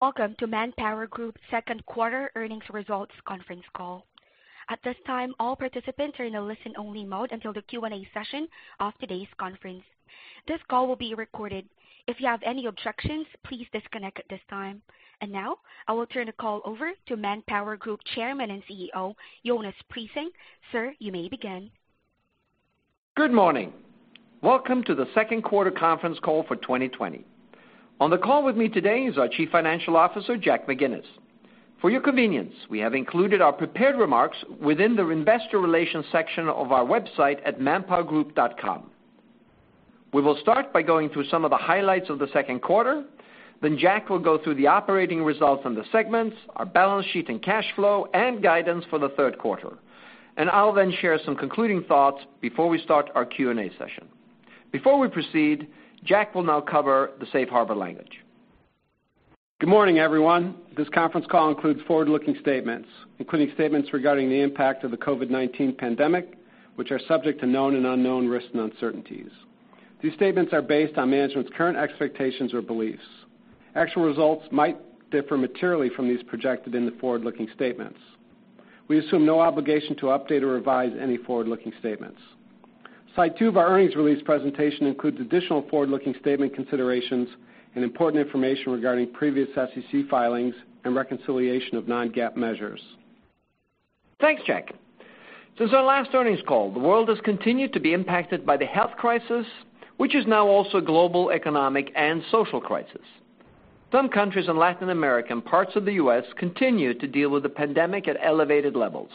Welcome to ManpowerGroup's second quarter earnings results conference call. At this time, all participants are in a listen-only mode until the Q&A session of today's conference. This call will be recorded. If you have any objections, please disconnect at this time. Now, I will turn the call over to ManpowerGroup Chairman and CEO, Jonas Prising. Sir, you may begin. Good morning. Welcome to the second quarter conference call for 2020. On the call with me today is our Chief Financial Officer, Jack McGinnis. For your convenience, we have included our prepared remarks within the investor relations section of our website at manpowergroup.com. We will start by going through some of the highlights of the second quarter, then Jack will go through the operating results in the segments, our balance sheet and cash flow, and guidance for the third quarter. I'll then share some concluding thoughts before we start our Q&A session. Before we proceed, Jack will now cover the safe harbor language. Good morning, everyone. This conference call includes forward-looking statements, including statements regarding the impact of the COVID-19 pandemic, which are subject to known and unknown risks and uncertainties. These statements are based on management's current expectations or beliefs. Actual results might differ materially from these projected in the forward-looking statements. We assume no obligation to update or revise any forward-looking statements. Slide two of our earnings release presentation includes additional forward-looking statement considerations and important information regarding previous SEC filings and reconciliation of non-GAAP measures. Thanks, Jack. Since our last earnings call, the world has continued to be impacted by the health crisis, which is now also a global economic and social crisis. Some countries in Latin America and parts of the U.S. continue to deal with the pandemic at elevated levels.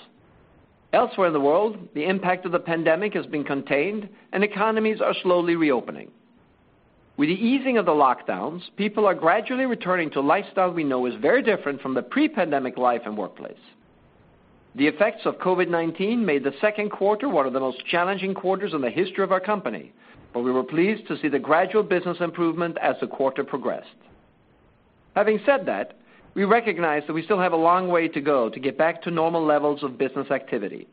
Elsewhere in the world, the impact of the pandemic has been contained, and economies are slowly reopening. With the easing of the lockdowns, people are gradually returning to a lifestyle we know is very different from the pre-pandemic life and workplace. The effects of COVID-19 made the second quarter one of the most challenging quarters in the history of our company, but we were pleased to see the gradual business improvement as the quarter progressed. Having said that, we recognize that we still have a long way to go to get back to normal levels of business activity.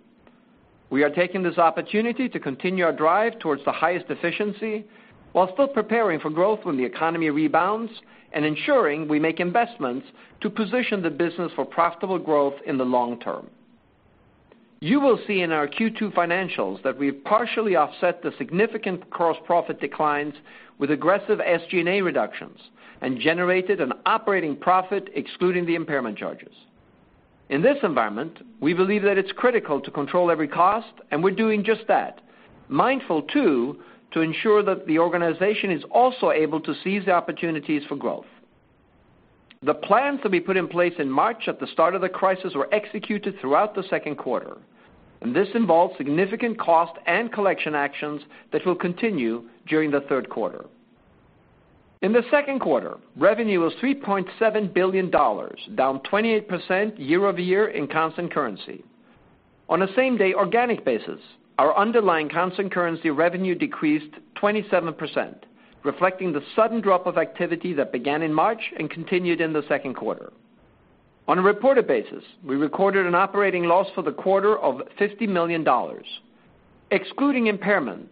We are taking this opportunity to continue our drive towards the highest efficiency while still preparing for growth when the economy rebounds and ensuring we make investments to position the business for profitable growth in the long term. You will see in our Q2 financials that we have partially offset the significant gross profit declines with aggressive SG&A reductions and generated an operating profit excluding the impairment charges. In this environment, we believe that it's critical to control every cost, and we're doing just that. Mindful, too, to ensure that the organization is also able to seize the opportunities for growth. The plans that we put in place in March at the start of the crisis were executed throughout the second quarter, and this involved significant cost and collection actions that will continue during the third quarter. In the second quarter, revenue was $3.7 billion, down 28% year-over-year in constant currency. On a same-day organic basis, our underlying constant currency revenue decreased 27%, reflecting the sudden drop of activity that began in March and continued in the second quarter. On a reported basis, we recorded an operating loss for the quarter of $50 million. Excluding impairment,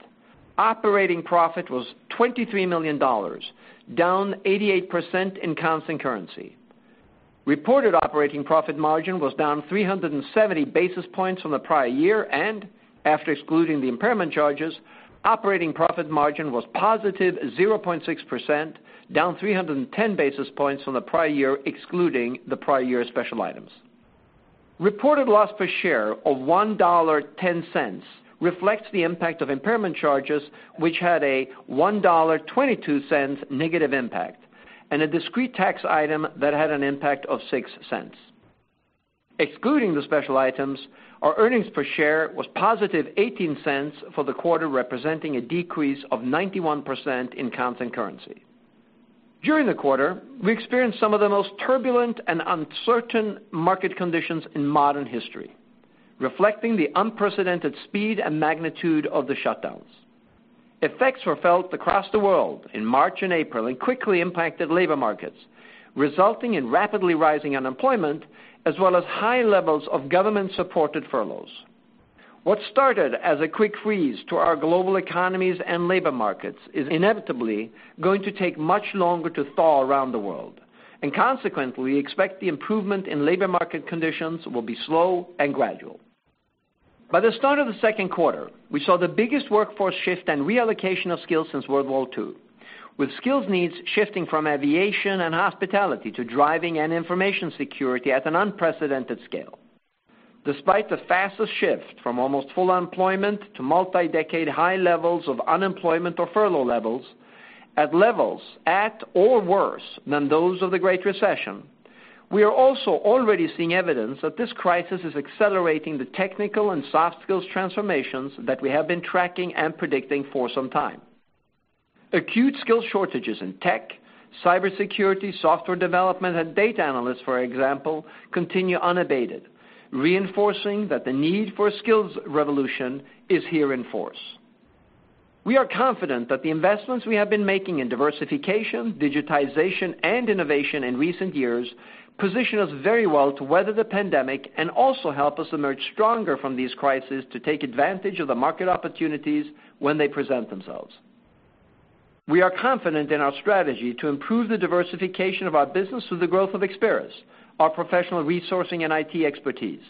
operating profit was $23 million, down 88% in constant currency. Reported operating profit margin was down 370 basis points from the prior year and, after excluding the impairment charges, operating profit margin was positive 0.6%, down 310 basis points from the prior year, excluding the prior year special items. Reported loss per share of $1.10 reflects the impact of impairment charges, which had a $1.22 negative impact, and a discrete tax item that had an impact of $0.06. Excluding the special items, our earnings per share was positive $0.18 for the quarter, representing a decrease of 91% in constant currency. During the quarter, we experienced some of the most turbulent and uncertain market conditions in modern history, reflecting the unprecedented speed and magnitude of the shutdowns. Effects were felt across the world in March and April and quickly impacted labor markets, resulting in rapidly rising unemployment as well as high levels of government-supported furloughs. What started as a quick freeze to our global economies and labor markets is inevitably going to take much longer to thaw around the world, and consequently, we expect the improvement in labor market conditions will be slow and gradual. By the start of the second quarter, we saw the biggest workforce shift and reallocation of skills since World War II, with skills needs shifting from aviation and hospitality to driving and information security at an unprecedented scale. Despite the fastest shift from almost full employment to multi-decade high levels of unemployment or furlough levels at or worse than those of the Great Recession, we are also already seeing evidence that this crisis is accelerating the technical and soft skills transformations that we have been tracking and predicting for some time. Acute skill shortages in tech, cybersecurity, software development, and data analysts, for example, continue unabated, reinforcing that the need for a skills revolution is here in force. We are confident that the investments we have been making in diversification, digitization, and innovation in recent years position us very well to weather the pandemic and also help us emerge stronger from this crisis to take advantage of the market opportunities when they present themselves. We are confident in our strategy to improve the diversification of our business through the growth of Experis, our professional resourcing and IT expertise.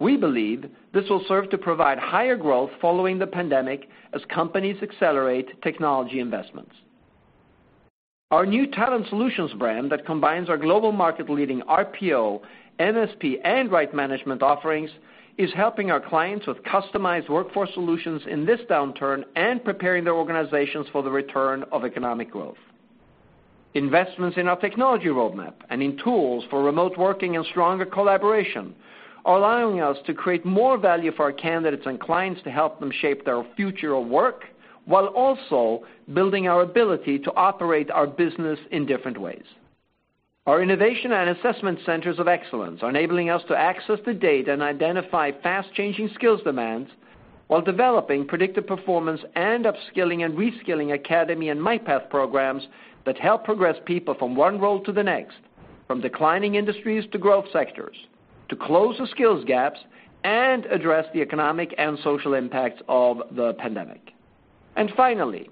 We believe this will serve to provide higher growth following the pandemic as companies accelerate technology investments. Our new Talent Solutions brand that combines our global market leading RPO, MSP, and Right Management offerings is helping our clients with customized workforce solutions in this downturn and preparing their organizations for the return of economic growth. Investments in our technology roadmap and in tools for remote working and stronger collaboration are allowing us to create more value for our candidates and clients to help them shape their future of work, while also building our ability to operate our business in different ways. Our innovation and assessment centers of excellence are enabling us to access the data and identify fast changing skills demands while developing predictive performance and upskilling and reskilling academy and MyPath programs that help progress people from one role to the next, from declining industries to growth sectors to close the skills gaps and address the economic and social impacts of the pandemic. Finally,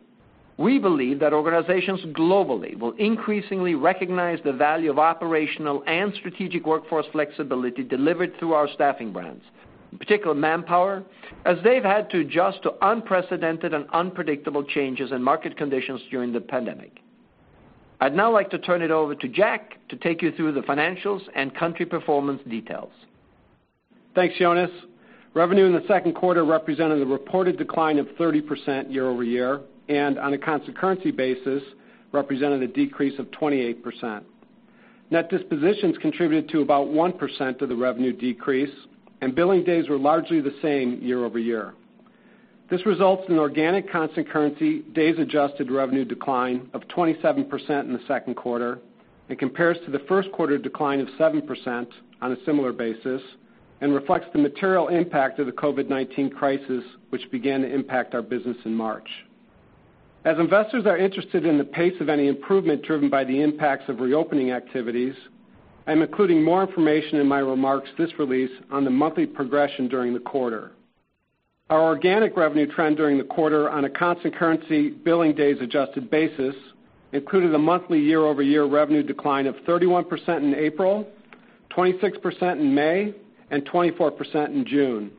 we believe that organizations globally will increasingly recognize the value of operational and strategic workforce flexibility delivered through our staffing brands, in particular Manpower, as they've had to adjust to unprecedented and unpredictable changes in market conditions during the pandemic. I'd now like to turn it over to Jack to take you through the financials and country performance details. Thanks, Jonas. Revenue in the second quarter represented a reported decline of 30% year-over-year, and on a constant currency basis, represented a decrease of 28%. Net dispositions contributed to about 1% of the revenue decrease, and billing days were largely the same year-over-year. This results in organic constant currency days adjusted revenue decline of 27% in the second quarter and compares to the first quarter decline of 7% on a similar basis, and reflects the material impact of the COVID-19 crisis, which began to impact our business in March. As investors are interested in the pace of any improvement driven by the impacts of reopening activities, I'm including more information in my remarks this release on the monthly progression during the quarter. Our organic revenue trend during the quarter on a constant currency billing days adjusted basis included a monthly year-over-year revenue decline of 31% in April, 26% in May and 24% in June.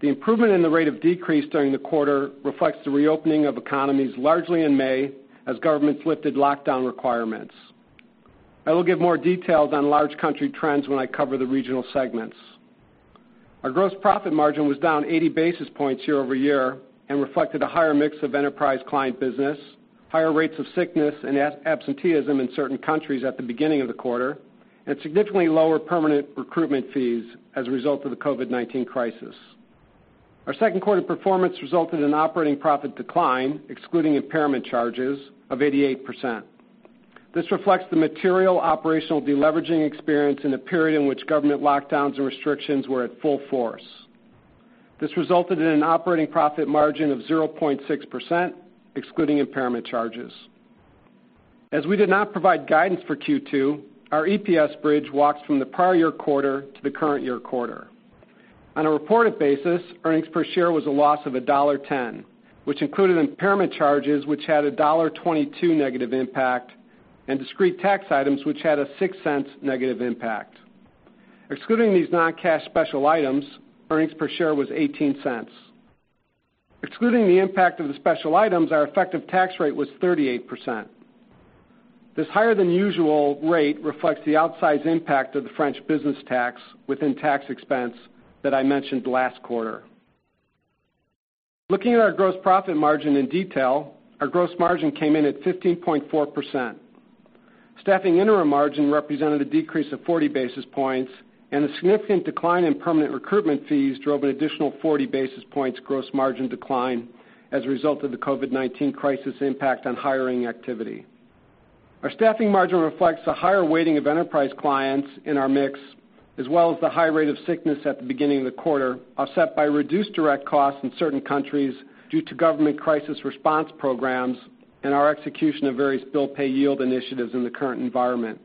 The improvement in the rate of decrease during the quarter reflects the reopening of economies largely in May as governments lifted lockdown requirements. I will give more details on large country trends when I cover the regional segments. Our gross profit margin was down 80 basis points year-over-year and reflected a higher mix of enterprise client business, higher rates of sickness and absenteeism in certain countries at the beginning of the quarter, and significantly lower permanent recruitment fees as a result of the COVID-19 crisis. Our second quarter performance resulted in operating profit decline, excluding impairment charges of 88%. This reflects the material operational deleveraging experience in a period in which government lockdowns and restrictions were at full force. This resulted in an operating profit margin of 0.6%, excluding impairment charges. We did not provide guidance for Q2, our EPS bridge walks from the prior year quarter to the current year quarter. On a reported basis, earnings per share was a loss of $1.10, which included impairment charges which had a $1.22 negative impact, and discrete tax items which had a $0.06 negative impact. Excluding these non-cash special items, earnings per share was $0.18. Excluding the impact of the special items, our effective tax rate was 38%. This higher than usual rate reflects the outsized impact of the French business tax within tax expense that I mentioned last quarter. Looking at our gross profit margin in detail, our gross margin came in at 15.4%. Staffing interim margin represented a decrease of 40 basis points, and a significant decline in permanent recruitment fees drove an additional 40 basis points gross margin decline as a result of the COVID-19 crisis impact on hiring activity. Our staffing margin reflects the higher weighting of enterprise clients in our mix, as well as the high rate of sickness at the beginning of the quarter, offset by reduced direct costs in certain countries due to government crisis response programs and our execution of various bill pay yield initiatives in the current environment.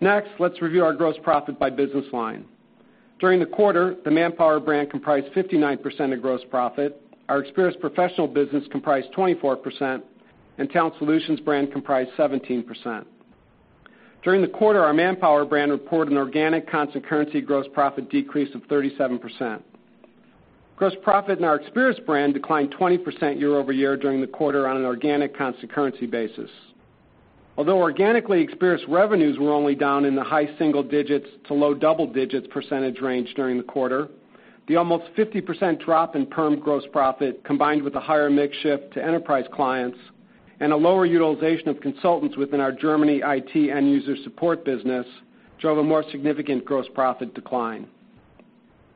Next, let's review our gross profit by business line. During the quarter, the Manpower brand comprised 59% of gross profit. Our Experis professional business comprised 24%, and Talent Solutions brand comprised 17%. During the quarter, our Manpower brand reported an organic constant currency gross profit decrease of 37%. Gross profit in our Experis brand declined 20% year-over-year during the quarter on an organic constant currency basis. Although organically Experis revenues were only down in the high single digits to low double digits percentage range during the quarter, the almost 50% drop in perm gross profit, combined with a higher mix shift to enterprise clients and a lower utilization of consultants within our Germany IT end user support business, drove a more significant gross profit decline.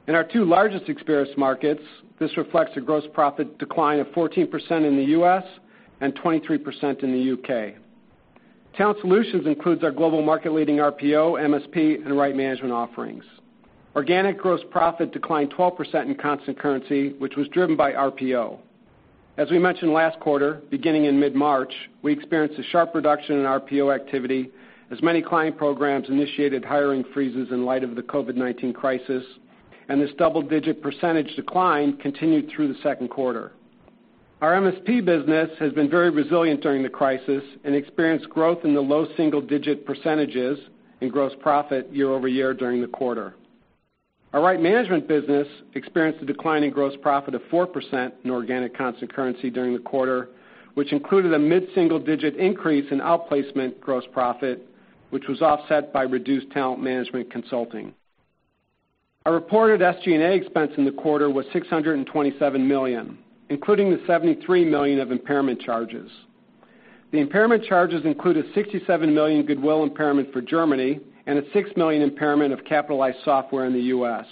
In our two largest Experis markets, this reflects a gross profit decline of 14% in the U.S. and 23% in the U.K. Talent Solutions includes our global market leading RPO, MSP, and Right Management offerings. Organic gross profit declined 12% in constant currency, which was driven by RPO. As we mentioned last quarter, beginning in mid-March, we experienced a sharp reduction in RPO activity as many client programs initiated hiring freezes in light of the COVID-19 crisis. This double-digit % decline continued through the second quarter. Our MSP business has been very resilient during the crisis and experienced growth in the low single-digit % in gross profit year-over-year during the quarter. Our Right Management business experienced a decline in gross profit of 4% in organic constant currency during the quarter, which included a mid-single-digit increase in outplacement gross profit, which was offset by reduced talent management consulting. Our reported SG&A expense in the quarter was $627 million, including the $73 million of impairment charges. The impairment charges include a $67 million goodwill impairment for Germany and a $6 million impairment of capitalized software in the U.S.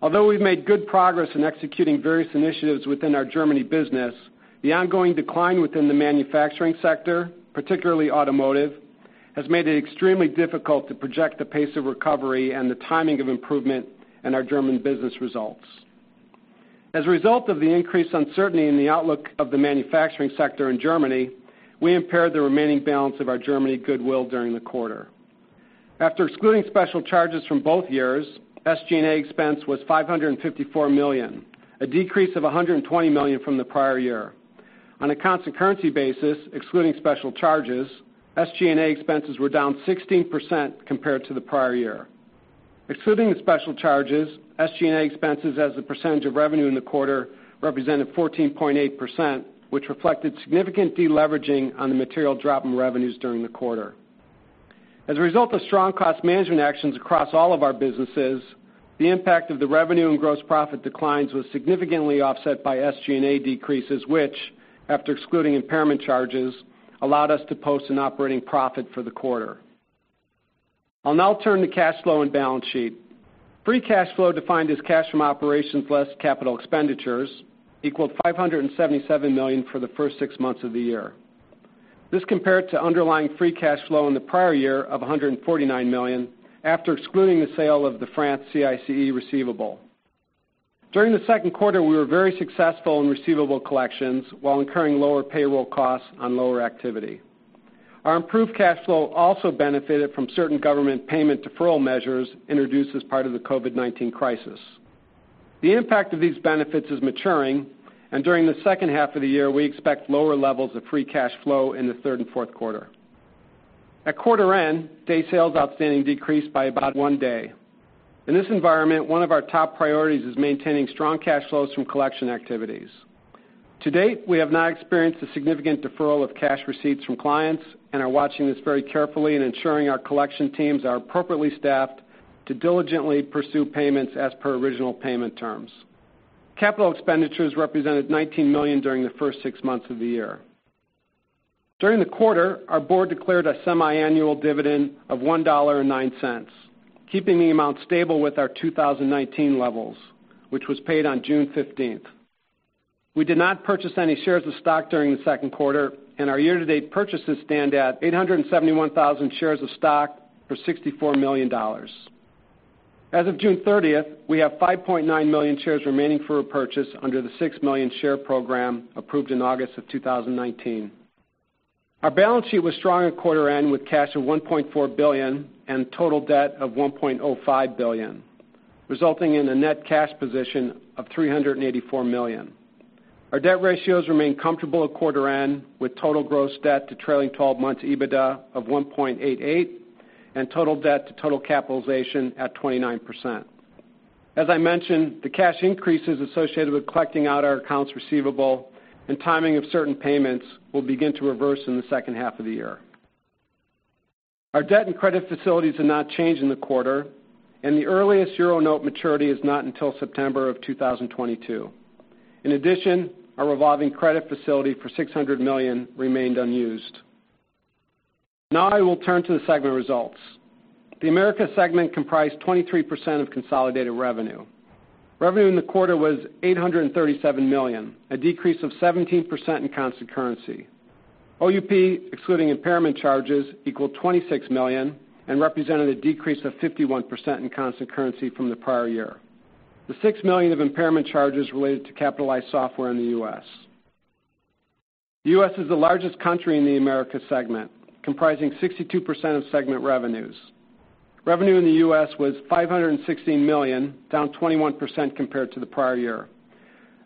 Although we've made good progress in executing various initiatives within our Germany business, the ongoing decline within the manufacturing sector, particularly automotive, has made it extremely difficult to project the pace of recovery and the timing of improvement in our German business results. As a result of the increased uncertainty in the outlook of the manufacturing sector in Germany, we impaired the remaining balance of our Germany goodwill during the quarter. After excluding special charges from both years, SG&A expense was $554 million, a decrease of $120 million from the prior year. On a constant currency basis, excluding special charges, SG&A expenses were down 16% compared to the prior year. Excluding the special charges, SG&A expenses as a percentage of revenue in the quarter represented 14.8%, which reflected significant deleveraging on the material drop in revenues during the quarter. As a result of strong cost management actions across all of our businesses, the impact of the revenue and gross profit declines was significantly offset by SG&A decreases, which, after excluding impairment charges, allowed us to post an operating profit for the quarter. I'll now turn to cash flow and balance sheet. Free cash flow, defined as cash from operations less capital expenditures, equaled $577 million for the first six months of the year. This compared to underlying free cash flow in the prior year of $149 million after excluding the sale of the France CICE receivable. During the second quarter, we were very successful in receivable collections while incurring lower payroll costs on lower activity. Our improved cash flow also benefited from certain government payment deferral measures introduced as part of the COVID-19 crisis. The impact of these benefits is maturing, and during the second half of the year, we expect lower levels of free cash flow in the third and fourth quarter. At quarter end, day sales outstanding decreased by about one day. In this environment, one of our top priorities is maintaining strong cash flows from collection activities. To date, we have not experienced a significant deferral of cash receipts from clients and are watching this very carefully and ensuring our collection teams are appropriately staffed to diligently pursue payments as per original payment terms. Capital expenditures represented $19 million during the first six months of the year. During the quarter, our board declared a semi-annual dividend of $1.09, keeping the amount stable with our 2019 levels, which was paid on June 15th. We did not purchase any shares of stock during the second quarter, and our year-to-date purchases stand at 871,000 shares of stock for $64 million. As of June 30th, we have 5.9 million shares remaining for purchase under the 6 million share program approved in August of 2019. Our balance sheet was strong at quarter end with cash of $1.4 billion and total debt of $1.05 billion, resulting in a net cash position of $384 million. Our debt ratios remain comfortable at quarter end with total gross debt to trailing 12-month EBITDA of 1.88 and total debt to total capitalization at 29%. As I mentioned, the cash increases associated with collecting out our accounts receivable and timing of certain payments will begin to reverse in the second half of the year. Our debt and credit facilities are not changed in the quarter, and the earliest euro note maturity is not until September of 2022. In addition, our revolving credit facility for $600 million remained unused. Now I will turn to the segment results. The Americas segment comprised 23% of consolidated revenue. Revenue in the quarter was $837 million, a decrease of 17% in constant currency. OUP, excluding impairment charges, equaled $26 million and represented a decrease of 51% in constant currency from the prior year. The $6 million of impairment charges related to capitalized software in the U.S. The U.S. is the largest country in the Americas segment, comprising 62% of segment revenues. Revenue in the U.S. was $516 million, down 21% compared to the prior year.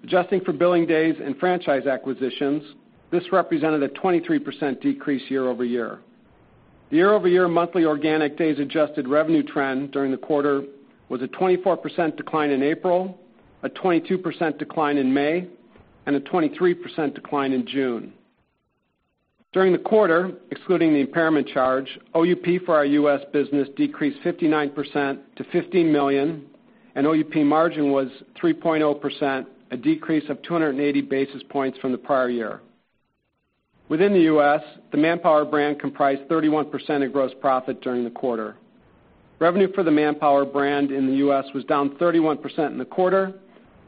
Adjusting for billing days and franchise acquisitions, this represented a 23% decrease year-over-year. The year-over-year monthly organic days adjusted revenue trend during the quarter was a 24% decline in April, a 22% decline in May, and a 23% decline in June. During the quarter, excluding the impairment charge, OUP for our U.S. business decreased 59% to $15 million, and OUP margin was 3.0%, a decrease of 280 basis points from the prior year. Within the U.S., the Manpower brand comprised 31% of gross profit during the quarter. Revenue for the Manpower brand in the U.S. was down 31% in the quarter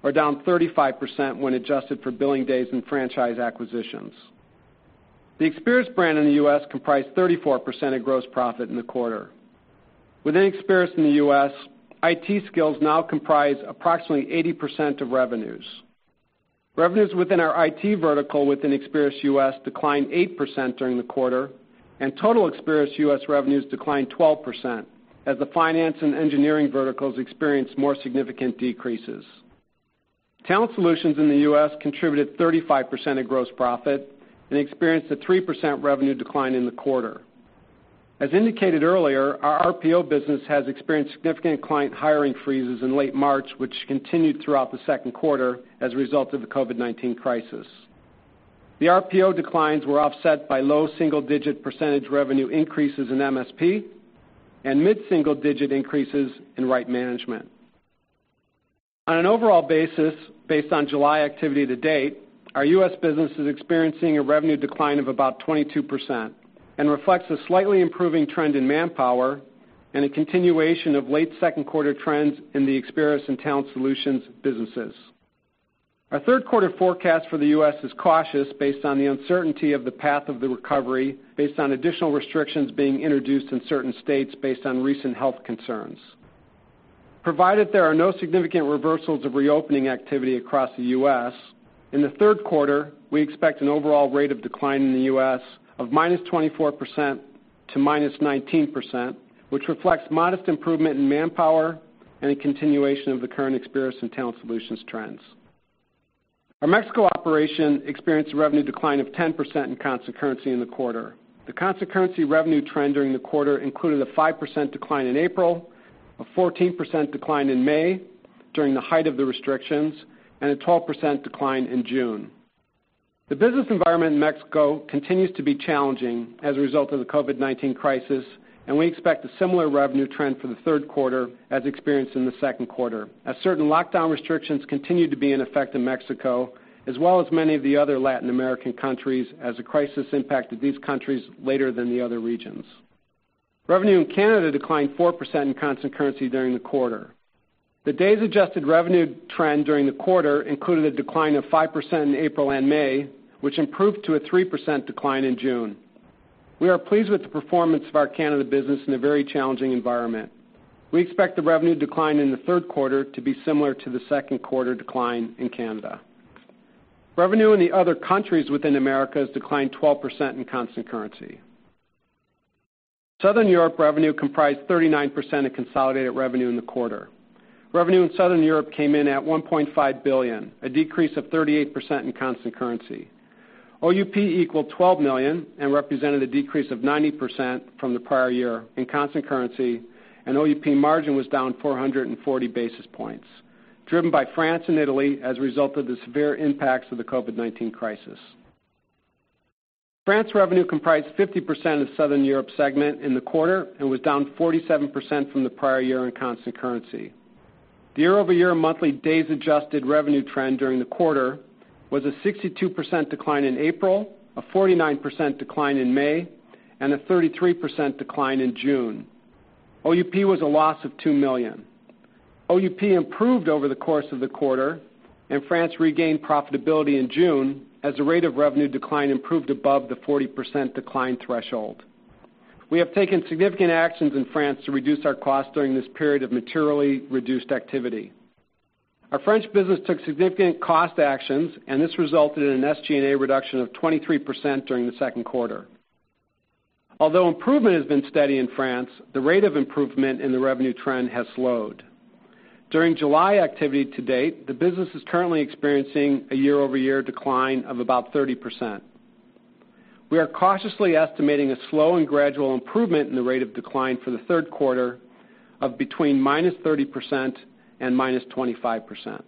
or down 35% when adjusted for billing days and franchise acquisitions. The Experis brand in the U.S. comprised 34% of gross profit in the quarter. Within Experis in the U.S., IT skills now comprise approximately 80% of revenues. Revenues within our IT vertical within Experis U.S. declined 8% during the quarter, and total Experis U.S. revenues declined 12%, as the finance and engineering verticals experienced more significant decreases. Talent Solutions in the U.S. contributed 35% of gross profit and experienced a 3% revenue decline in the quarter. As indicated earlier, our RPO business has experienced significant client hiring freezes in late March, which continued throughout the second quarter as a result of the COVID-19 crisis. The RPO declines were offset by low single-digit percentage revenue increases in MSP and mid-single-digit increases in Right Management. On an overall basis, based on July activity to date, our U.S. business is experiencing a revenue decline of about 22% and reflects a slightly improving trend in Manpower and a continuation of late second quarter trends in the Experis and Talent Solutions businesses. Our third quarter forecast for the U.S. is cautious based on the uncertainty of the path of the recovery based on additional restrictions being introduced in certain states based on recent health concerns. Provided there are no significant reversals of reopening activity across the U.S., in the third quarter, we expect an overall rate of decline in the U.S. of -24% to -19%, which reflects modest improvement in Manpower and a continuation of the current Experis and Talent Solutions trends. Our Mexico operation experienced a revenue decline of 10% in constant currency in the quarter. The constant currency revenue trend during the quarter included a 5% decline in April, a 14% decline in May during the height of the restrictions, and a 12% decline in June. The business environment in Mexico continues to be challenging as a result of the COVID-19 crisis, and we expect a similar revenue trend for the third quarter as experienced in the second quarter, as certain lockdown restrictions continue to be in effect in Mexico as well as many of the other Latin American countries as the crisis impacted these countries later than the other regions. Revenue in Canada declined 4% in constant currency during the quarter. The days adjusted revenue trend during the quarter included a decline of 5% in April and May, which improved to a 3% decline in June. We are pleased with the performance of our Canada business in a very challenging environment. We expect the revenue decline in the third quarter to be similar to the second quarter decline in Canada. Revenue in the other countries within Americas declined 12% in constant currency. Southern Europe revenue comprised 39% of consolidated revenue in the quarter. Revenue in Southern Europe came in at $1.5 billion, a decrease of 38% in constant currency. OUP equaled $12 million and represented a decrease of 90% from the prior year in constant currency, and OUP margin was down 440 basis points, driven by France and Italy as a result of the severe impacts of the COVID-19 crisis. France revenue comprised 50% of Southern Europe segment in the quarter and was down 47% from the prior year in constant currency. The year-over-year monthly days adjusted revenue trend during the quarter was a 62% decline in April, a 49% decline in May, and a 33% decline in June. OUP was a loss of $2 million. OUP improved over the course of the quarter, and France regained profitability in June as the rate of revenue decline improved above the 40% decline threshold. We have taken significant actions in France to reduce our cost during this period of materially reduced activity. Our French business took significant cost actions, and this resulted in an SG&A reduction of 23% during the second quarter. Although improvement has been steady in France, the rate of improvement in the revenue trend has slowed. During July activity to date, the business is currently experiencing a year-over-year decline of about 30%. We are cautiously estimating a slow and gradual improvement in the rate of decline for the third quarter of between -30% and -25%.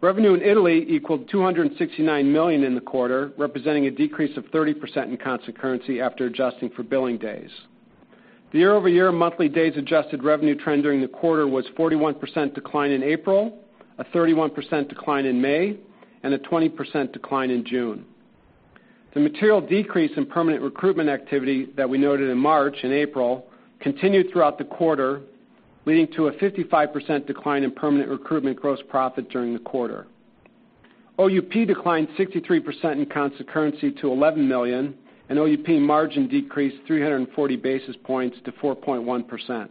Revenue in Italy equaled $269 million in the quarter, representing a decrease of 30% in constant currency after adjusting for billing days. The year-over-year monthly days adjusted revenue trend during the quarter was 41% decline in April, a 31% decline in May, and a 20% decline in June. The material decrease in permanent recruitment activity that we noted in March and April continued throughout the quarter, leading to a 55% decline in permanent recruitment gross profit during the quarter. OUP declined 63% in constant currency to $11 million, and OUP margin decreased 340 basis points to 4.1%.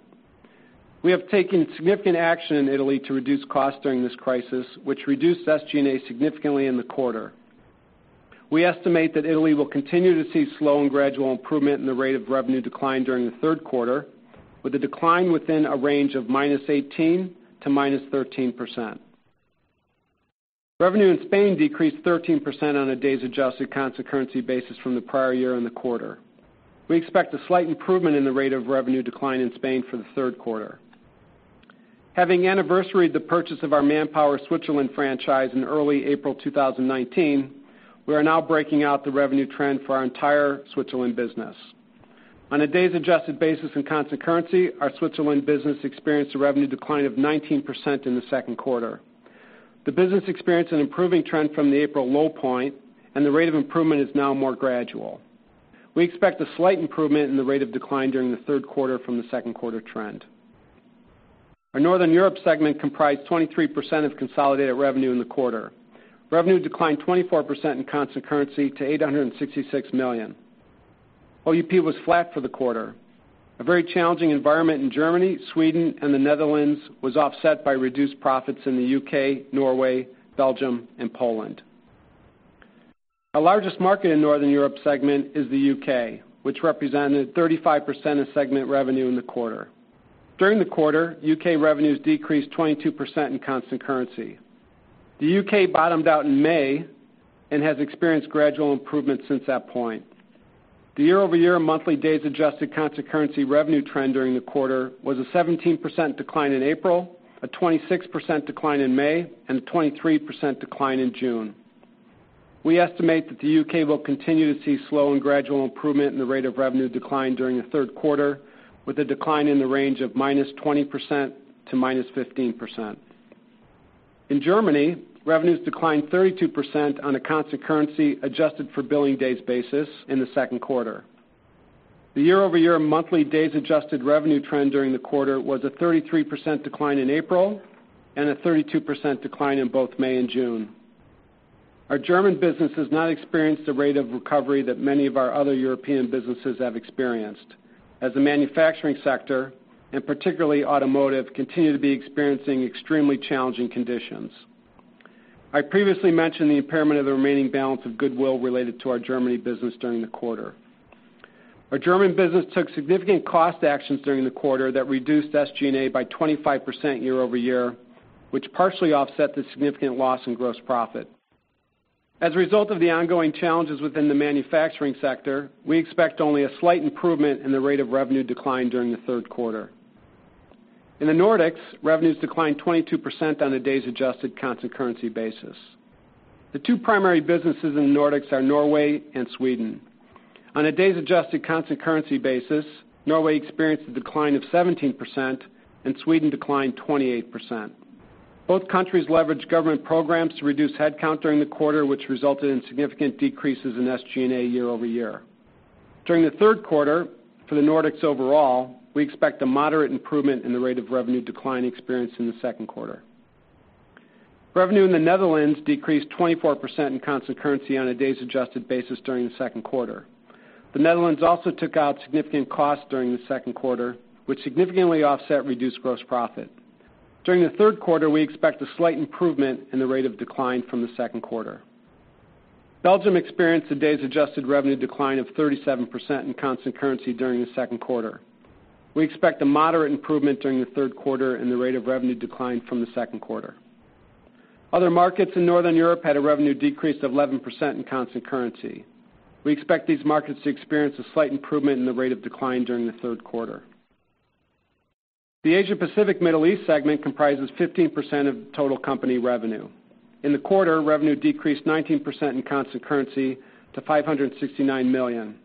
We have taken significant action in Italy to reduce costs during this crisis, which reduced SG&A significantly in the quarter. We estimate that Italy will continue to see slow and gradual improvement in the rate of revenue decline during the third quarter, with a decline within a range of -18% to -13%. Revenue in Spain decreased 13% on a days adjusted constant currency basis from the prior year in the quarter. We expect a slight improvement in the rate of revenue decline in Spain for the third quarter. Having anniversaried the purchase of our Manpower Switzerland franchise in early April 2019, we are now breaking out the revenue trend for our entire Switzerland business. On a days adjusted basis in constant currency, our Switzerland business experienced a revenue decline of 19% in the second quarter. The business experienced an improving trend from the April low point, and the rate of improvement is now more gradual. We expect a slight improvement in the rate of decline during the third quarter from the second quarter trend. Our Northern Europe segment comprised 23% of consolidated revenue in the quarter. Revenue declined 24% in constant currency to $866 million. OUP was flat for the quarter. A very challenging environment in Germany, Sweden, and the Netherlands was offset by reduced profits in the UK, Norway, Belgium, and Poland. Our largest market in Northern Europe segment is the UK, which represented 35% of segment revenue in the quarter. During the quarter, UK revenues decreased 22% in constant currency. The UK bottomed out in May and has experienced gradual improvement since that point. The year-over-year monthly days adjusted constant currency revenue trend during the quarter was a 17% decline in April, a 26% decline in May, and a 23% decline in June. We estimate that the UK will continue to see slow and gradual improvement in the rate of revenue decline during the third quarter, with a decline in the range of -20% to -15%. In Germany, revenues declined 32% on a constant currency adjusted for billing days basis in the second quarter. The year-over-year monthly days adjusted revenue trend during the quarter was a 33% decline in April and a 32% decline in both May and June. Our German business has not experienced the rate of recovery that many of our other European businesses have experienced, as the manufacturing sector, and particularly automotive, continue to be experiencing extremely challenging conditions. I previously mentioned the impairment of the remaining balance of goodwill related to our Germany business during the quarter. Our German business took significant cost actions during the quarter that reduced SG&A by 25% year-over-year, which partially offset the significant loss in gross profit. As a result of the ongoing challenges within the manufacturing sector, we expect only a slight improvement in the rate of revenue decline during the third quarter. In the Nordics, revenues declined 22% on a days adjusted constant currency basis. The two primary businesses in the Nordics are Norway and Sweden. On a days adjusted constant currency basis, Norway experienced a decline of 17% and Sweden declined 28%. Both countries leveraged government programs to reduce headcount during the quarter, which resulted in significant decreases in SG&A year-over-year. During the third quarter, for the Nordics overall, we expect a moderate improvement in the rate of revenue decline experienced in the second quarter. Revenue in the Netherlands decreased 24% in constant currency on a days adjusted basis during the second quarter. The Netherlands also took out significant costs during the second quarter, which significantly offset reduced gross profit. During the third quarter, we expect a slight improvement in the rate of decline from the second quarter. Belgium experienced a days adjusted revenue decline of 37% in constant currency during the second quarter. We expect a moderate improvement during the third quarter in the rate of revenue decline from the second quarter. Other markets in Northern Europe had a revenue decrease of 11% in constant currency. We expect these markets to experience a slight improvement in the rate of decline during the third quarter. The Asia Pacific Middle East segment comprises 15% of total company revenue. In the quarter, revenue decreased 19% in constant currency to $569 million.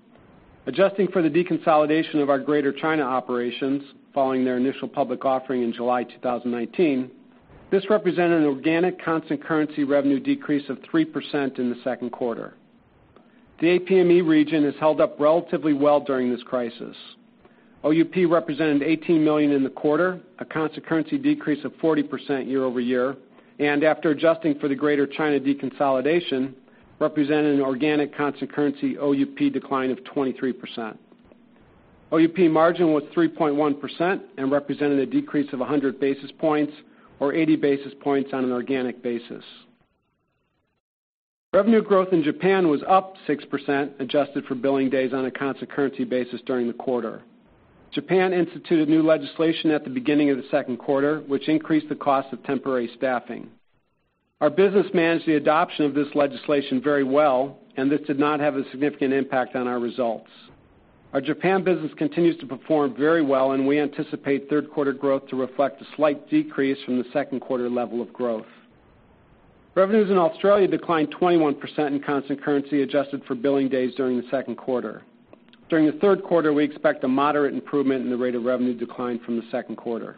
Adjusting for the deconsolidation of our Greater China operations following their initial public offering in July 2019, this represented an organic constant currency revenue decrease of 3% in the second quarter. The APME region has held up relatively well during this crisis. OUP represented $18 million in the quarter, a constant currency decrease of 40% year-over-year, and after adjusting for the Greater China deconsolidation, represented an organic constant currency OUP decline of 23%. OUP margin was 3.1% and represented a decrease of 100 basis points, or 80 basis points on an organic basis. Revenue growth in Japan was up 6%, adjusted for billing days on a constant currency basis during the quarter. Japan instituted new legislation at the beginning of the second quarter, which increased the cost of temporary staffing. Our business managed the adoption of this legislation very well, and this did not have a significant impact on our results. Our Japan business continues to perform very well, and we anticipate third quarter growth to reflect a slight decrease from the second quarter level of growth. Revenues in Australia declined 21% in constant currency adjusted for billing days during the second quarter. During the third quarter, we expect a moderate improvement in the rate of revenue decline from the second quarter.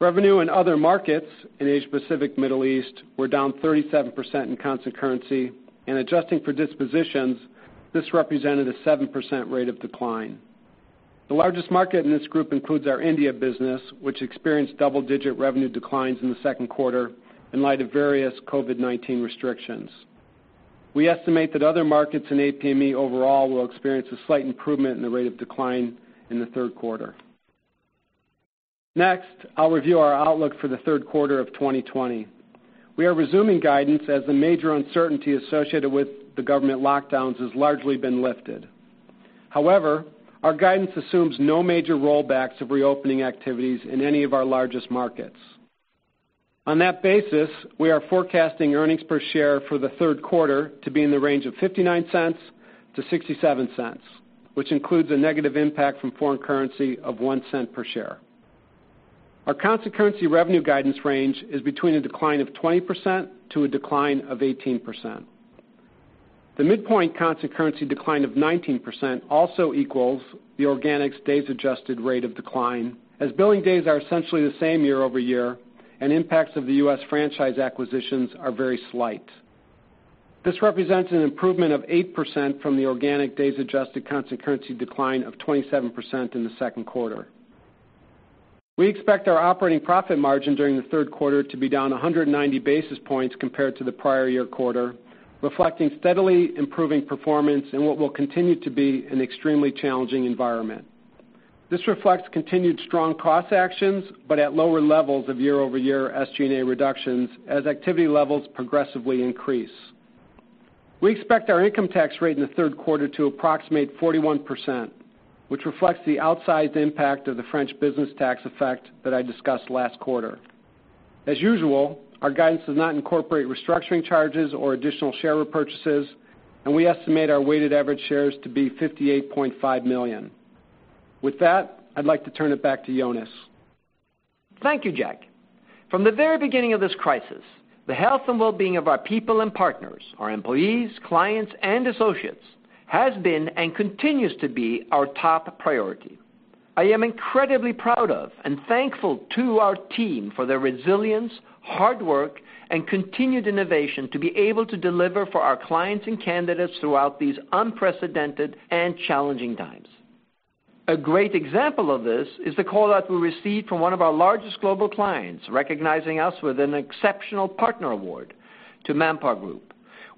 Revenue in other markets in Asia Pacific Middle East were down 37% in constant currency, and adjusting for dispositions, this represented a 7% rate of decline. The largest market in this group includes our India business, which experienced double-digit revenue declines in the second quarter in light of various COVID-19 restrictions. We estimate that other markets in APME overall will experience a slight improvement in the rate of decline in the third quarter. Next, I'll review our outlook for the third quarter of 2020. We are resuming guidance as the major uncertainty associated with the government lockdowns has largely been lifted. However, our guidance assumes no major rollbacks of reopening activities in any of our largest markets. On that basis, we are forecasting earnings per share for the third quarter to be in the range of $0.59-$0.67, which includes a negative impact from foreign currency of $0.01 per share. Our constant currency revenue guidance range is between a decline of 20%-18%. The midpoint constant currency decline of 19% also equals the organics days adjusted rate of decline, as billing days are essentially the same year-over-year and impacts of the U.S. franchise acquisitions are very slight. This represents an improvement of 8% from the organic days adjusted constant currency decline of 27% in the second quarter. We expect our operating profit margin during the third quarter to be down 190 basis points compared to the prior year quarter, reflecting steadily improving performance in what will continue to be an extremely challenging environment. This reflects continued strong cost actions, but at lower levels of year-over-year SG&A reductions as activity levels progressively increase. We expect our income tax rate in the third quarter to approximate 41%, which reflects the outsized impact of the French business tax effect that I discussed last quarter. As usual, our guidance does not incorporate restructuring charges or additional share repurchases, and we estimate our weighted average shares to be 58.5 million. With that, I'd like to turn it back to Jonas. Thank you, Jack. From the very beginning of this crisis, the health and wellbeing of our people and partners, our employees, clients, and associates, has been and continues to be our top priority. I am incredibly proud of and thankful to our team for their resilience, hard work, and continued innovation to be able to deliver for our clients and candidates throughout these unprecedented and challenging times. A great example of this is the call-out we received from one of our largest global clients recognizing us with an exceptional partner award to ManpowerGroup,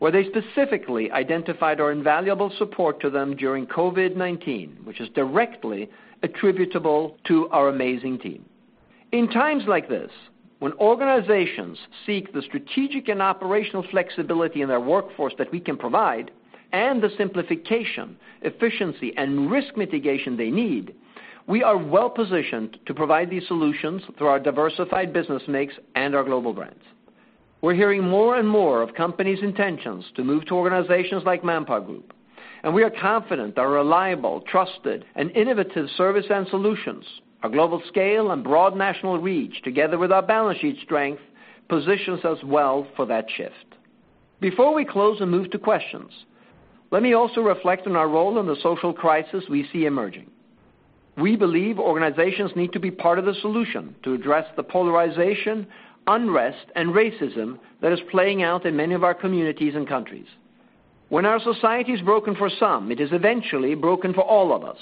where they specifically identified our invaluable support to them during COVID-19, which is directly attributable to our amazing team. In times like this, when organizations seek the strategic and operational flexibility in their workforce that we can provide, and the simplification, efficiency, and risk mitigation they need, we are well-positioned to provide these solutions through our diversified business mix and our global brands. We're hearing more and more of companies' intentions to move to organizations like ManpowerGroup, and we are confident our reliable, trusted, and innovative service and solutions, our global scale, and broad national reach together with our balance sheet strength, positions us well for that shift. Before we close and move to questions, let me also reflect on our role in the social crisis we see emerging. We believe organizations need to be part of the solution to address the polarization, unrest, and racism that is playing out in many of our communities and countries. When our society is broken for some, it is eventually broken for all of us,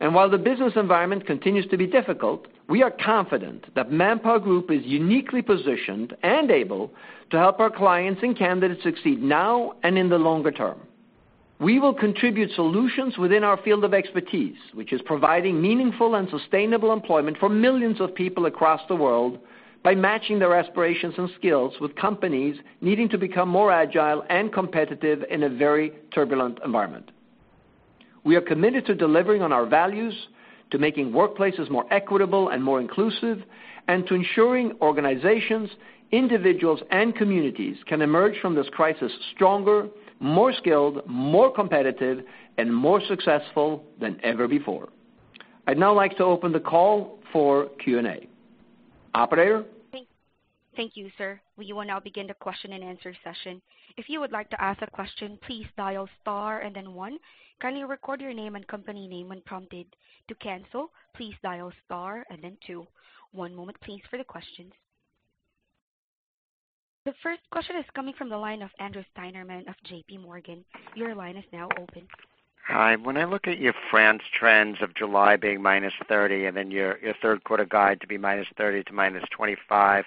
and while the business environment continues to be difficult, we are confident that ManpowerGroup is uniquely positioned and able to help our clients and candidates succeed now and in the longer term. We will contribute solutions within our field of expertise, which is providing meaningful and sustainable employment for millions of people across the world by matching their aspirations and skills with companies needing to become more agile and competitive in a very turbulent environment. We are committed to delivering on our values, to making workplaces more equitable and more inclusive, and to ensuring organizations, individuals, and communities can emerge from this crisis stronger, more skilled, more competitive, and more successful than ever before. I'd now like to open the call for Q&A. Operator? Thank you, sir. We will now begin the question and answer session. If you would like to ask a question, please dial star and then one. Kindly record your name and company name when prompted. To cancel, please dial star and then two. One moment please, for the questions. The first question is coming from the line of Andrew Steinerman of JPMorgan. Your line is now open. Hi. When I look at your France trends of July being -30%, your third quarter guide to be -30% to -25%,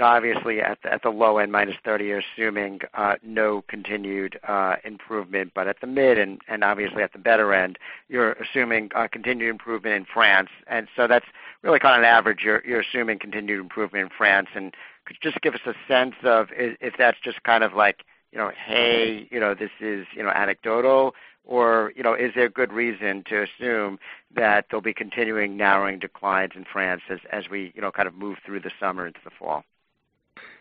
obviously at the low end, -30%, you're assuming no continued improvement, at the mid and obviously at the better end, you're assuming continued improvement in France. That's really kind of an average, you're assuming continued improvement in France. Could you just give us a sense of if that's just kind of like, "Hey, this is anecdotal," or is there good reason to assume that there'll be continuing narrowing declines in France as we kind of move through the summer into the fall?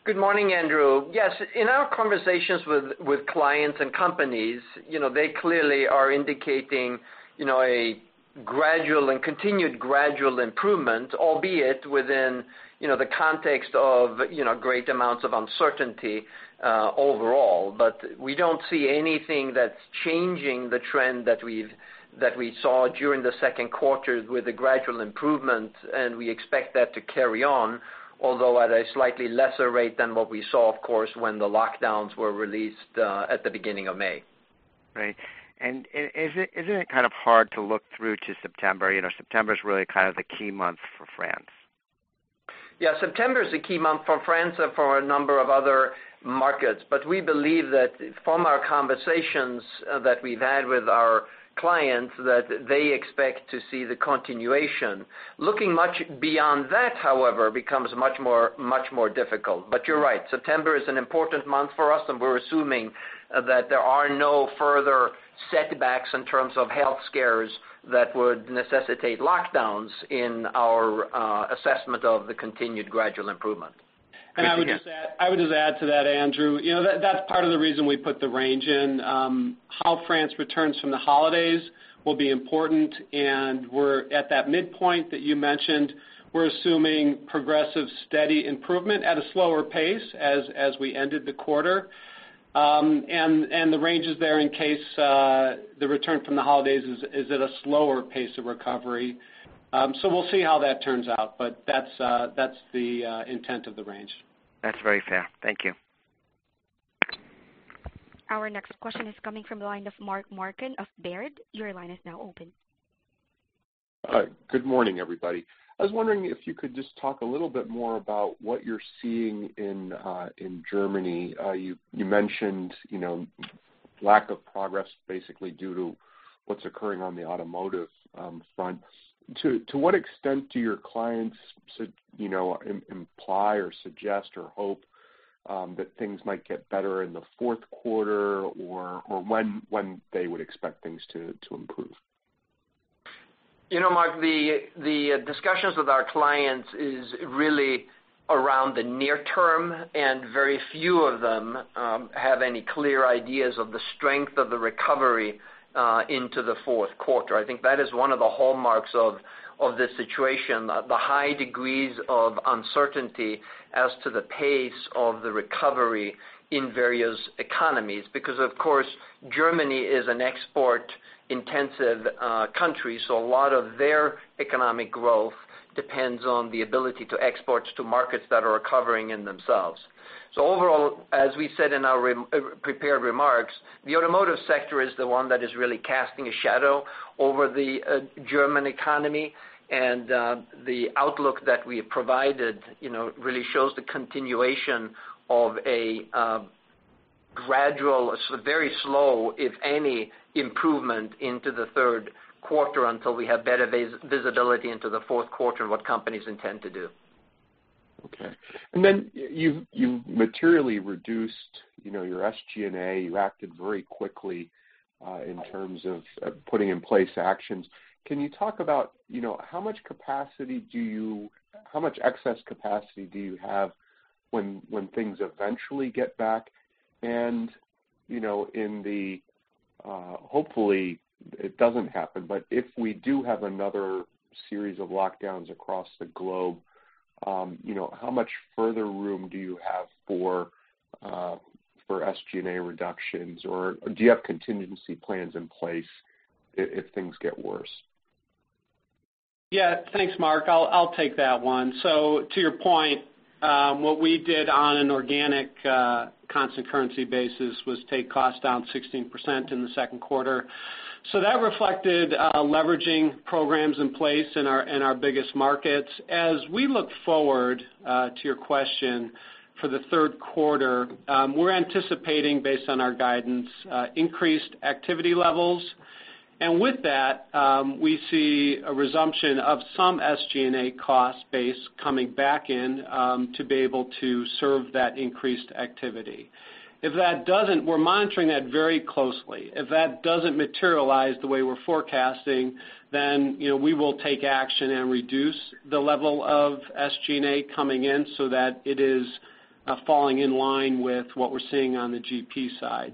Good morning, Andrew. Yes. In our conversations with clients and companies, they clearly are indicating a gradual and continued gradual improvement, albeit within the context of great amounts of uncertainty overall. We don't see anything that's changing the trend that we saw during the second quarter with the gradual improvement, and we expect that to carry on, although at a slightly lesser rate than what we saw, of course, when the lockdowns were released at the beginning of May. Right. Isn't it kind of hard to look through to September? September's really kind of the key month for France. Yeah. September's a key month for France and for a number of other markets. We believe that from our conversations that we've had with our clients, that they expect to see the continuation. Looking much beyond that, however, becomes much more difficult. You're right, September is an important month for us, and we're assuming that there are no further setbacks in terms of health scares that would necessitate lockdowns in our assessment of the continued gradual improvement. I would just add to that, Andrew, that's part of the reason we put the range in. How France returns from the holidays will be important, and we're at that midpoint that you mentioned. We're assuming progressive, steady improvement at a slower pace as we ended the quarter. The range is there in case the return from the holidays is at a slower pace of recovery. We'll see how that turns out, but that's the intent of the range. That's very fair. Thank you. Our next question is coming from the line of Mark Marcon of Baird. Your line is now open. Hi. Good morning, everybody. I was wondering if you could just talk a little bit more about what you're seeing in Germany? You mentioned lack of progress basically due to what's occurring on the automotive front. To what extent do your clients imply or suggest or hope that things might get better in the fourth quarter, or when they would expect things to improve? Mark, the discussions with our clients is really around the near term. Very few of them have any clear ideas of the strength of the recovery into the fourth quarter. I think that is one of the hallmarks of this situation, the high degrees of uncertainty as to the pace of the recovery in various economies. Of course, Germany is an export-intensive country. A lot of their economic growth depends on the ability to export to markets that are recovering in themselves. Overall, as we said in our prepared remarks, the automotive sector is the one that is really casting a shadow over the German economy. The outlook that we have provided really shows the continuation of a gradual, very slow, if any, improvement into the third quarter until we have better visibility into the fourth quarter and what companies intend to do. Okay. You materially reduced your SG&A. You acted very quickly in terms of putting in place actions. Can you talk about how much excess capacity do you have when things eventually get back? In the-- hopefully it doesn't happen, but if we do have another series of lockdowns across the globe, how much further room do you have for SG&A reductions, or do you have contingency plans in place if things get worse? Thanks, Mark. I'll take that one. To your point, what we did on an organic constant currency basis was take costs down 16% in the second quarter. That reflected leveraging programs in place in our biggest markets. As we look forward to your question for the third quarter, we're anticipating, based on our guidance, increased activity levels. With that, we see a resumption of some SG&A cost base coming back in to be able to serve that increased activity. We're monitoring that very closely. If that doesn't materialize the way we're forecasting, then we will take action and reduce the level of SG&A coming in so that it is falling in line with what we're seeing on the GP side.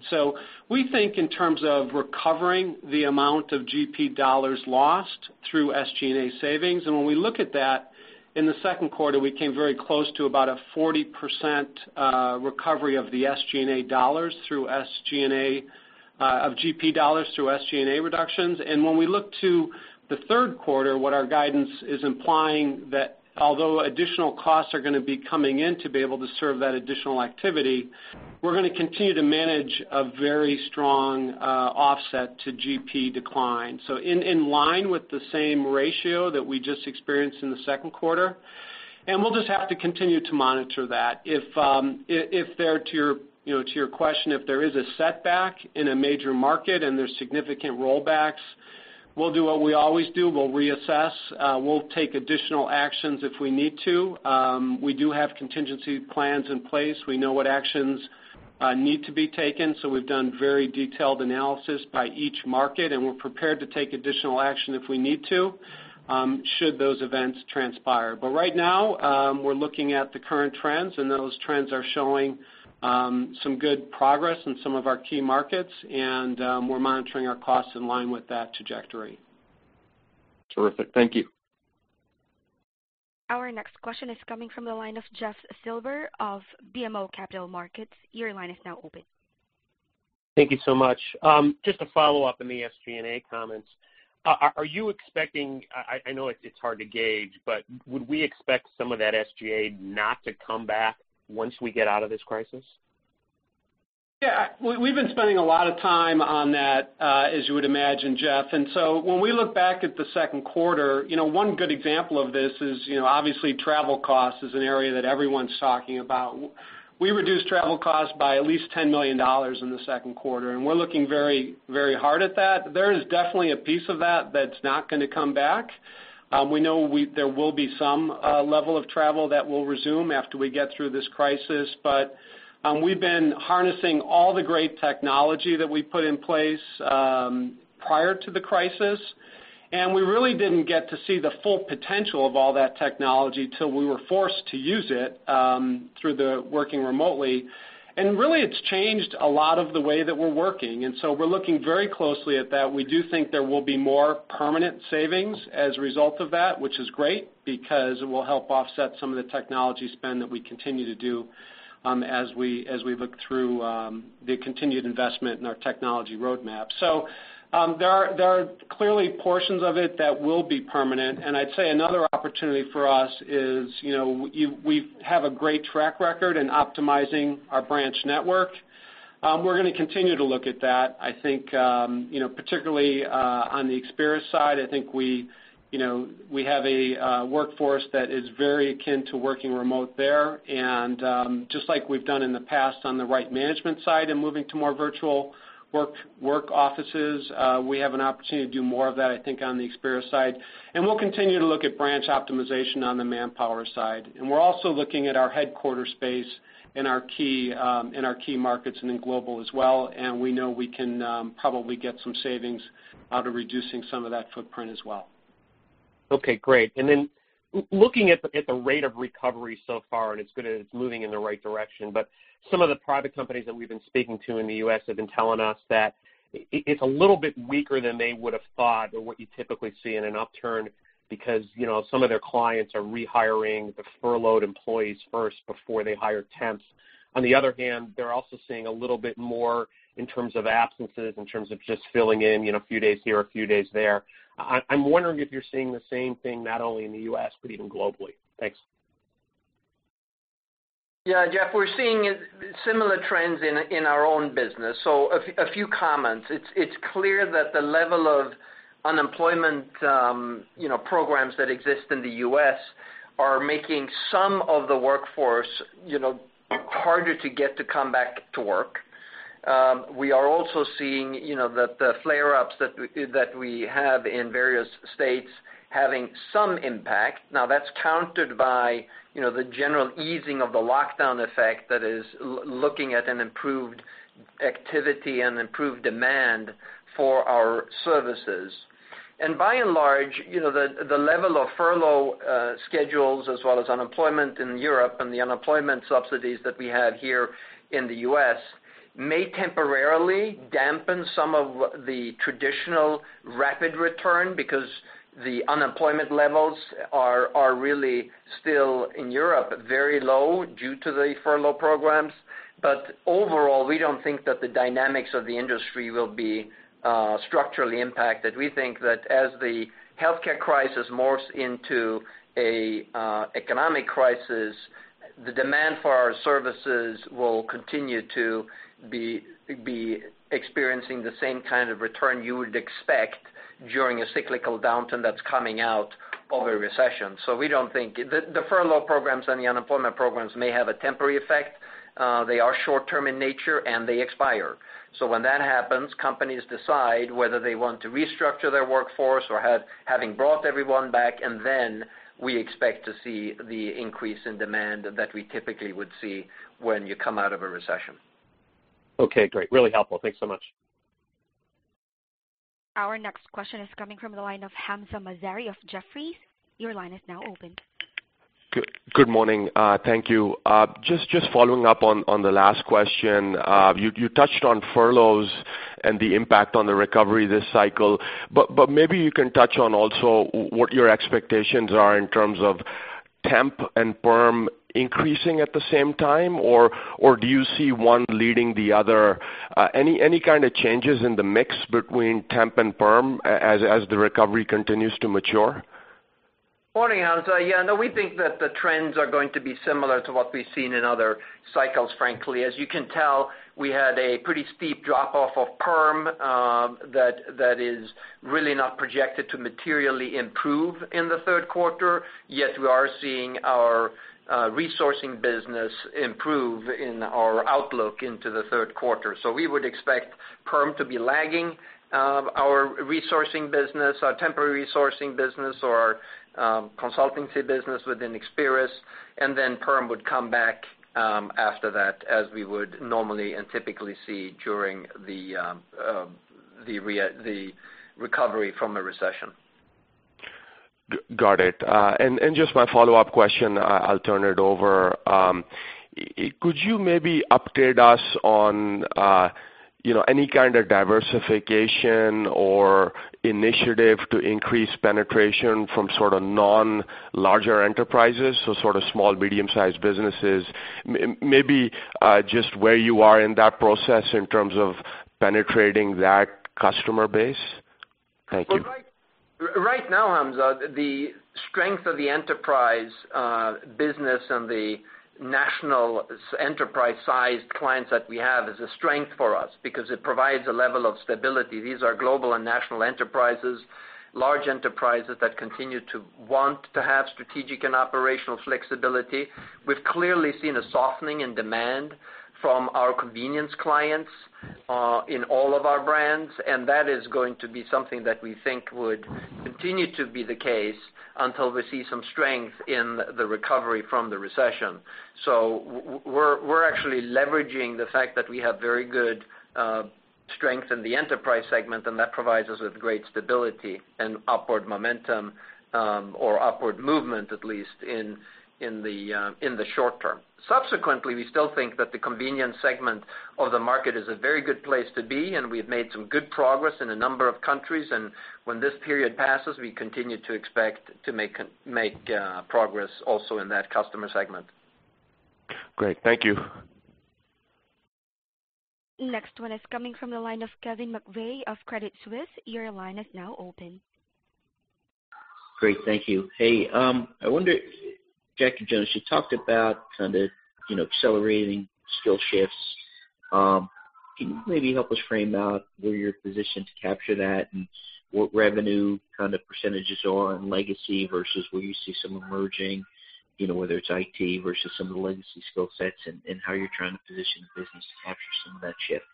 We think in terms of recovering the amount of GP dollars lost through SG&A savings. When we look at that, in the second quarter, we came very close to about a 40% recovery of the GP dollars through SG&A reductions. When we look to the third quarter, what our guidance is implying that although additional costs are going to be coming in to be able to serve that additional activity, we're going to continue to manage a very strong offset to GP decline. In line with the same ratio that we just experienced in the second quarter. We'll just have to continue to monitor that. To your question, if there is a setback in a major market and there's significant rollbacks, we'll do what we always do. We'll reassess. We'll take additional actions if we need to. We do have contingency plans in place. We know what actions need to be taken, so we've done very detailed analysis by each market, and we're prepared to take additional action if we need to, should those events transpire. Right now, we're looking at the current trends, and those trends are showing some good progress in some of our key markets, and we're monitoring our costs in line with that trajectory. Terrific. Thank you. Our next question is coming from the line of Jeff Silber of BMO Capital Markets. Your line is now open. Thank you so much. Just to follow up on the SG&A comments. Are you expecting, I know it's hard to gauge, but would we expect some of that SG&A not to come back once we get out of this crisis? Yeah. We've been spending a lot of time on that, as you would imagine, Jeff. When we look back at the second quarter, one good example of this is obviously travel cost is an area that everyone's talking about. We reduced travel costs by at least $10 million in the second quarter, and we're looking very hard at that. There is definitely a piece of that that's not going to come back. We know there will be some level of travel that will resume after we get through this crisis. We've been harnessing all the great technology that we put in place prior to the crisis, and we really didn't get to see the full potential of all that technology till we were forced to use it through the working remotely. Really, it's changed a lot of the way that we're working. We're looking very closely at that. We do think there will be more permanent savings as a result of that, which is great because it will help offset some of the technology spend that we continue to do as we look through the continued investment in our technology roadmap. There are clearly portions of it that will be permanent. I'd say another opportunity for us is we have a great track record in optimizing our branch network. We're going to continue to look at that. I think, particularly on the Experis side, I think we have a workforce that is very akin to working remote there. Just like we've done in the past on the Right Management side and moving to more virtual work offices, we have an opportunity to do more of that, I think, on the Experis side. We'll continue to look at branch optimization on the Manpower side. We're also looking at our headquarter space in our key markets and in global as well, and we know we can probably get some savings out of reducing some of that footprint as well. Okay, great. Looking at the rate of recovery so far, and it's moving in the right direction, Some of the private companies that we've been speaking to in the U.S. have been telling us that it's a little bit weaker than they would've thought, or what you typically see in an upturn because some of their clients are rehiring the furloughed employees first before they hire temps. On the other hand, they're also seeing a little bit more in terms of absences, in terms of just filling in a few days here, a few days there. I'm wondering if you're seeing the same thing, not only in the U.S., but even globally. Thanks. Yeah, Jeff, we're seeing similar trends in our own business. A few comments. It's clear that the level of unemployment programs that exist in the U.S. are making some of the workforce harder to get to come back to work. We are also seeing that the flare-ups that we have in various states having some impact. Now that's countered by the general easing of the lockdown effect that is looking at an improved activity and improved demand for our services. By and large, the level of furlough schedules as well as unemployment in Europe and the unemployment subsidies that we have here in the U.S. may temporarily dampen some of the traditional rapid return because the unemployment levels are really still, in Europe, very low due to the furlough programs. Overall, we don't think that the dynamics of the industry will be structurally impacted. We think that as the healthcare crisis morphs into an economic crisis, the demand for our services will continue to be experiencing the same kind of return you would expect during a cyclical downturn that's coming out of a recession. We don't think the furlough programs and the unemployment programs may have a temporary effect. They are short-term in nature, and they expire. When that happens, companies decide whether they want to restructure their workforce or having brought everyone back, and then we expect to see the increase in demand that we typically would see when you come out of a recession. Okay, great. Really helpful. Thanks so much. Our next question is coming from the line of Hamza Mazari of Jefferies. Your line is now open. Good morning. Thank you. Just following up on the last question. You touched on furloughs and the impact on the recovery this cycle, but maybe you can touch on also what your expectations are in terms of temp and perm increasing at the same time, or do you see one leading the other? Any kind of changes in the mix between temp and perm as the recovery continues to mature? Morning, Hamza. Yeah, no, we think that the trends are going to be similar to what we've seen in other cycles, frankly. As you can tell, we had a pretty steep drop-off of perm that is really not projected to materially improve in the third quarter. Yet we are seeing our resourcing business improve in our outlook into the third quarter. We would expect perm to be lagging our resourcing business, our temporary resourcing business, or our consultancy business within Experis. Then perm would come back after that as we would normally and typically see during the recovery from a recession. Got it. Just my follow-up question, I'll turn it over. Could you maybe update us on any kind of diversification or initiative to increase penetration from sort of non-larger enterprises, so sort of small, medium-sized businesses? Maybe just where you are in that process in terms of penetrating that customer base. Thank you. Right now, Hamza, the strength of the enterprise business and the national enterprise-sized clients that we have is a strength for us because it provides a level of stability. These are global and national enterprises, large enterprises that continue to want to have strategic and operational flexibility. That is going to be something that we think would continue to be the case until we see some strength in the recovery from the recession. We're actually leveraging the fact that we have very good strength in the enterprise segment, and that provides us with great stability and upward momentum, or upward movement, at least, in the short term. Subsequently, we still think that the convenience segment of the market is a very good place to be, and we've made some good progress in a number of countries. When this period passes, we continue to expect to make progress also in that customer segment. Great. Thank you. Next one is coming from the line of Kevin McVeigh of Credit Suisse. Your line is now open. Great. Thank you. Hey, I wonder, Jack and Jonas, you talked about kind of accelerating skill shifts. Can you maybe help us frame out where you're positioned to capture that and what revenue kind of percentages are on legacy versus where you see some emerging, whether it's IT versus some of the legacy skill sets and how you're trying to position the business to capture some of that shift?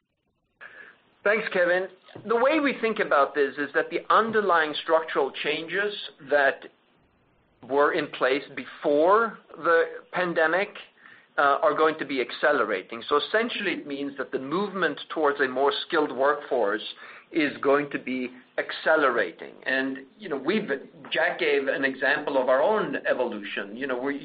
Thanks, Kevin. The way we think about this is that the underlying structural changes that were in place before the pandemic, are going to be accelerating. Essentially it means that the movement towards a more skilled workforce is going to be accelerating. Jack gave an example of our own evolution.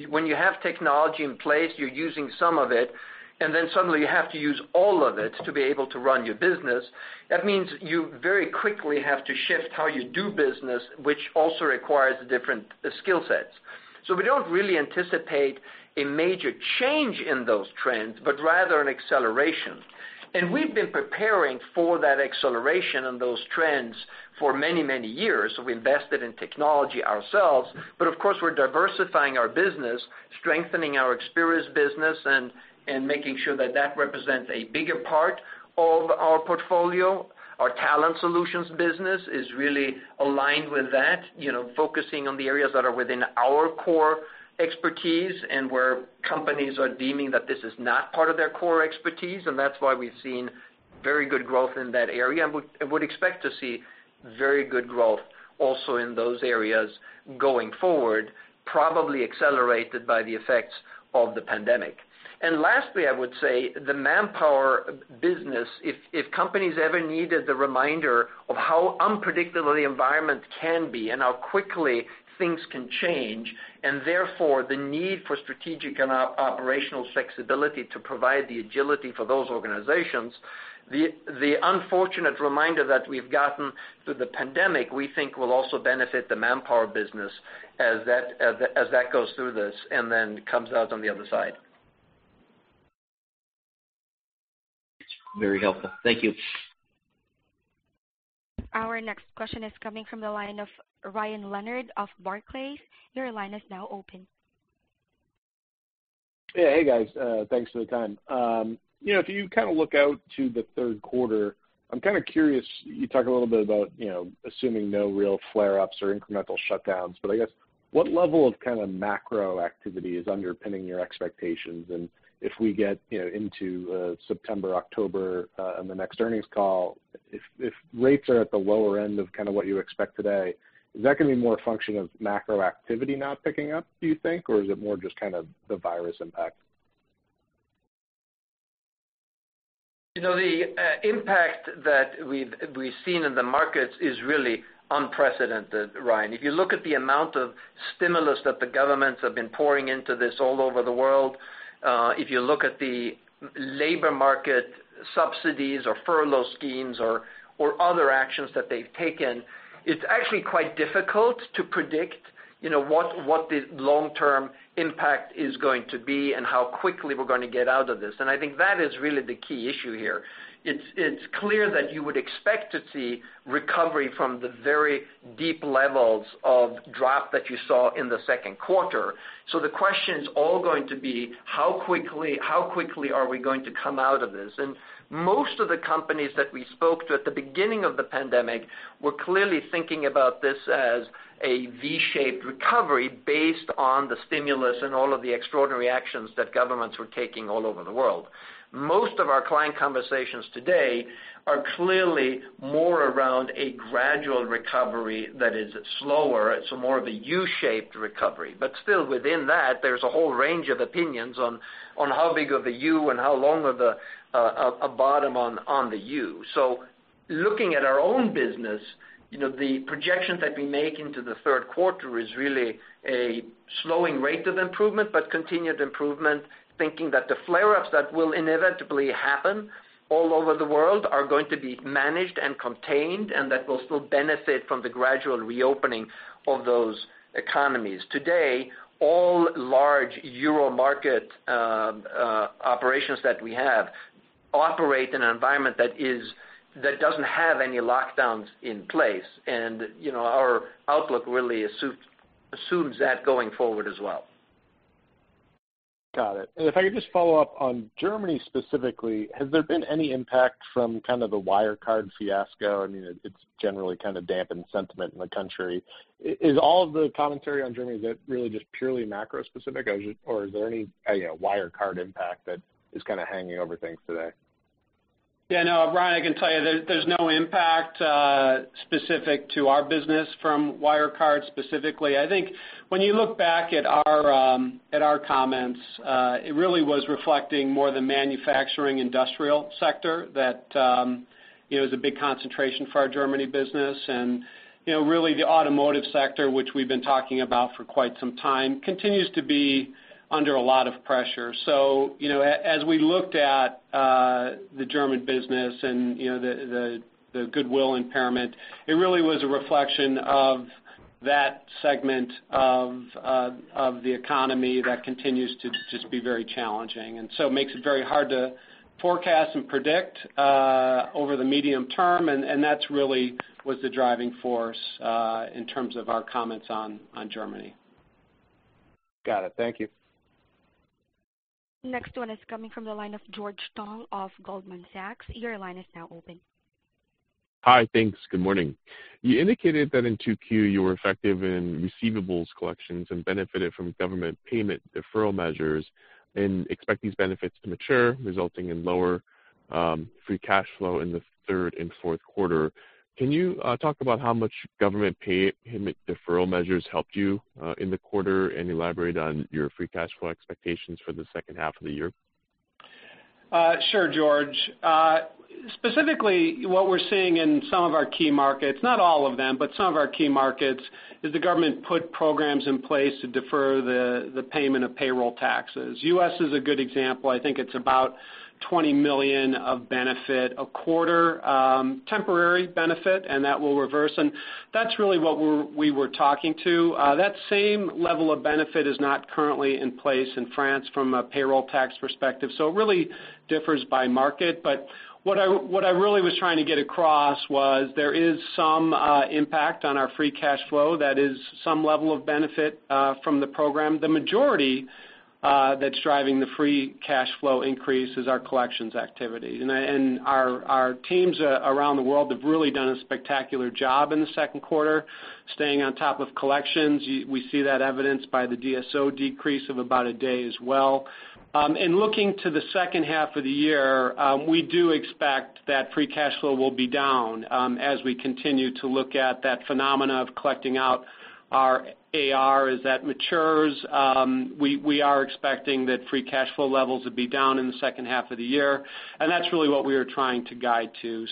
When you have technology in place, you're using some of it, and then suddenly you have to use all of it to be able to run your business. That means you very quickly have to shift how you do business, which also requires different skill sets. We don't really anticipate a major change in those trends, but rather an acceleration. We've been preparing for that acceleration and those trends for many, many years. We invested in technology ourselves. Of course, we're diversifying our business, strengthening our experience business, and making sure that that represents a bigger part of our portfolio. Our Talent Solutions business is really aligned with that, focusing on the areas that are within our core expertise and where companies are deeming that this is not part of their core expertise. That's why we've seen very good growth in that area, and would expect to see very good growth also in those areas going forward, probably accelerated by the effects of the pandemic. Lastly, I would say the Manpower business, if companies ever needed the reminder of how unpredictable the environment can be and how quickly things can change, and therefore the need for strategic and operational flexibility to provide the agility for those organizations. The unfortunate reminder that we've gotten through the pandemic, we think will also benefit the Manpower business as that goes through this and then comes out on the other side. It's very helpful. Thank you. Our next question is coming from the line of Ryan Leonard of Barclays. Your line is now open. Yeah. Hey, guys. Thanks for the time. If you kind of look out to the third quarter, I'm kind of curious, you talk a little bit about assuming no real flare-ups or incremental shutdowns, but I guess what level of kind of macro activity is underpinning your expectations? If we get into September, October, on the next earnings call, if rates are at the lower end of kind of what you expect today, is that going to be more a function of macro activity not picking up, do you think, or is it more just kind of the virus impact? The impact that we've seen in the markets is really unprecedented, Ryan. If you look at the amount of stimulus that the governments have been pouring into this all over the world, if you look at the labor market subsidies or furlough schemes or other actions that they've taken, it's actually quite difficult to predict what the long-term impact is going to be and how quickly we're going to get out of this. I think that is really the key issue here. It's clear that you would expect to see recovery from the very deep levels of drop that you saw in the second quarter. The question is all going to be how quickly are we going to come out of this? Most of the companies that we spoke to at the beginning of the pandemic were clearly thinking about this as a V-shaped recovery based on the stimulus and all of the extraordinary actions that governments were taking all over the world. Most of our client conversations today are clearly more around a gradual recovery that is slower. It's more of a U-shaped recovery. Still within that, there's a whole range of opinions on how big of a U and how long of a bottom on the U. Looking at our own business, the projections that we make into the third quarter is really a slowing rate of improvement, but continued improvement, thinking that the flare-ups that will inevitably happen all over the world are going to be managed and contained, and that we'll still benefit from the gradual reopening of those economies. Today, all large Euro market operations that we have operate in an environment that doesn't have any lockdowns in place, and our outlook really assumes that going forward as well. Got it. If I could just follow up on Germany specifically, has there been any impact from kind of the Wirecard fiasco? I mean, it's generally kind of dampened sentiment in the country. Is all of the commentary on Germany, is that really just purely macro-specific or is there any Wirecard impact that is kind of hanging over things today? Yeah, no, Ryan, I can tell you there's no impact specific to our business from Wirecard specifically. I think when you look back at our comments, it really was reflecting more the manufacturing industrial sector that is a big concentration for our Germany business. Really the automotive sector, which we've been talking about for quite some time, continues to be under a lot of pressure. As we looked at the German business and the goodwill impairment, it really was a reflection of that segment of the economy that continues to just be very challenging. It makes it very hard to forecast and predict over the medium term, and that really was the driving force in terms of our comments on Germany. Got it. Thank you. Next one is coming from the line of George Tong of Goldman Sachs. Your line is now open. Hi. Thanks. Good morning. You indicated that in 2Q, you were effective in receivables collections and benefited from government payment deferral measures and expect these benefits to mature, resulting in lower free cash flow in the third and fourth quarter. Can you talk about how much government payment deferral measures helped you in the quarter, and elaborate on your free cash flow expectations for the second half of the year? Sure, George. Specifically, what we're seeing in some of our key markets, not all of them, but some of our key markets, is the government put programs in place to defer the payment of payroll taxes. U.S. is a good example. I think it's about $20 million of benefit a quarter, temporary benefit, and that will reverse. That's really what we were talking to. That same level of benefit is not currently in place in France from a payroll tax perspective, so it really differs by market. What I really was trying to get across was there is some impact on our free cash flow that is some level of benefit from the program. The majority that's driving the free cash flow increase is our collections activity. Our teams around the world have really done a spectacular job in the second quarter, staying on top of collections. We see that evidenced by the DSO decrease of about a day as well. In looking to the second half of the year, we do expect that free cash flow will be down as we continue to look at that phenomena of collecting out our AR. As that matures, we are expecting that free cash flow levels would be down in the second half of the year, and that's really what we are trying to guide to.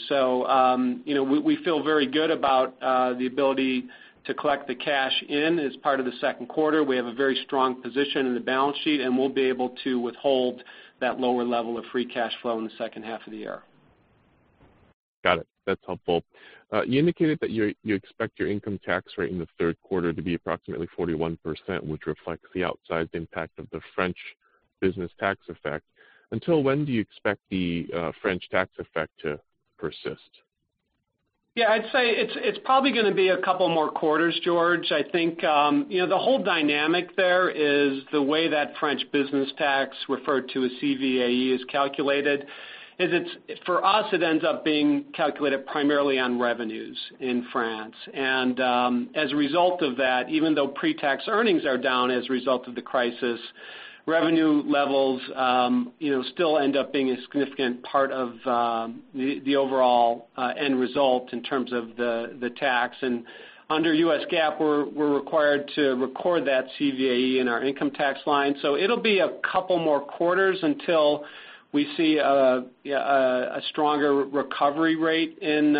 We feel very good about the ability to collect the cash in as part of the second quarter. We have a very strong position in the balance sheet, and we'll be able to withhold that lower level of free cash flow in the second half of the year. Got it. That's helpful. You indicated that you expect your income tax rate in the third quarter to be approximately 41%, which reflects the outsized impact of the French business tax effect. Until when do you expect the French tax effect to persist? I'd say it's probably going to be a couple more quarters, George. I think the whole dynamic there is the way that French business tax, referred to as CVAE, is calculated. For us, it ends up being calculated primarily on revenues in France. As a result of that, even though pre-tax earnings are down as a result of the crisis, revenue levels still end up being a significant part of the overall end result in terms of the tax. Under U.S. GAAP, we're required to record that CVAE in our income tax line. It'll be a couple more quarters until we see a stronger recovery rate in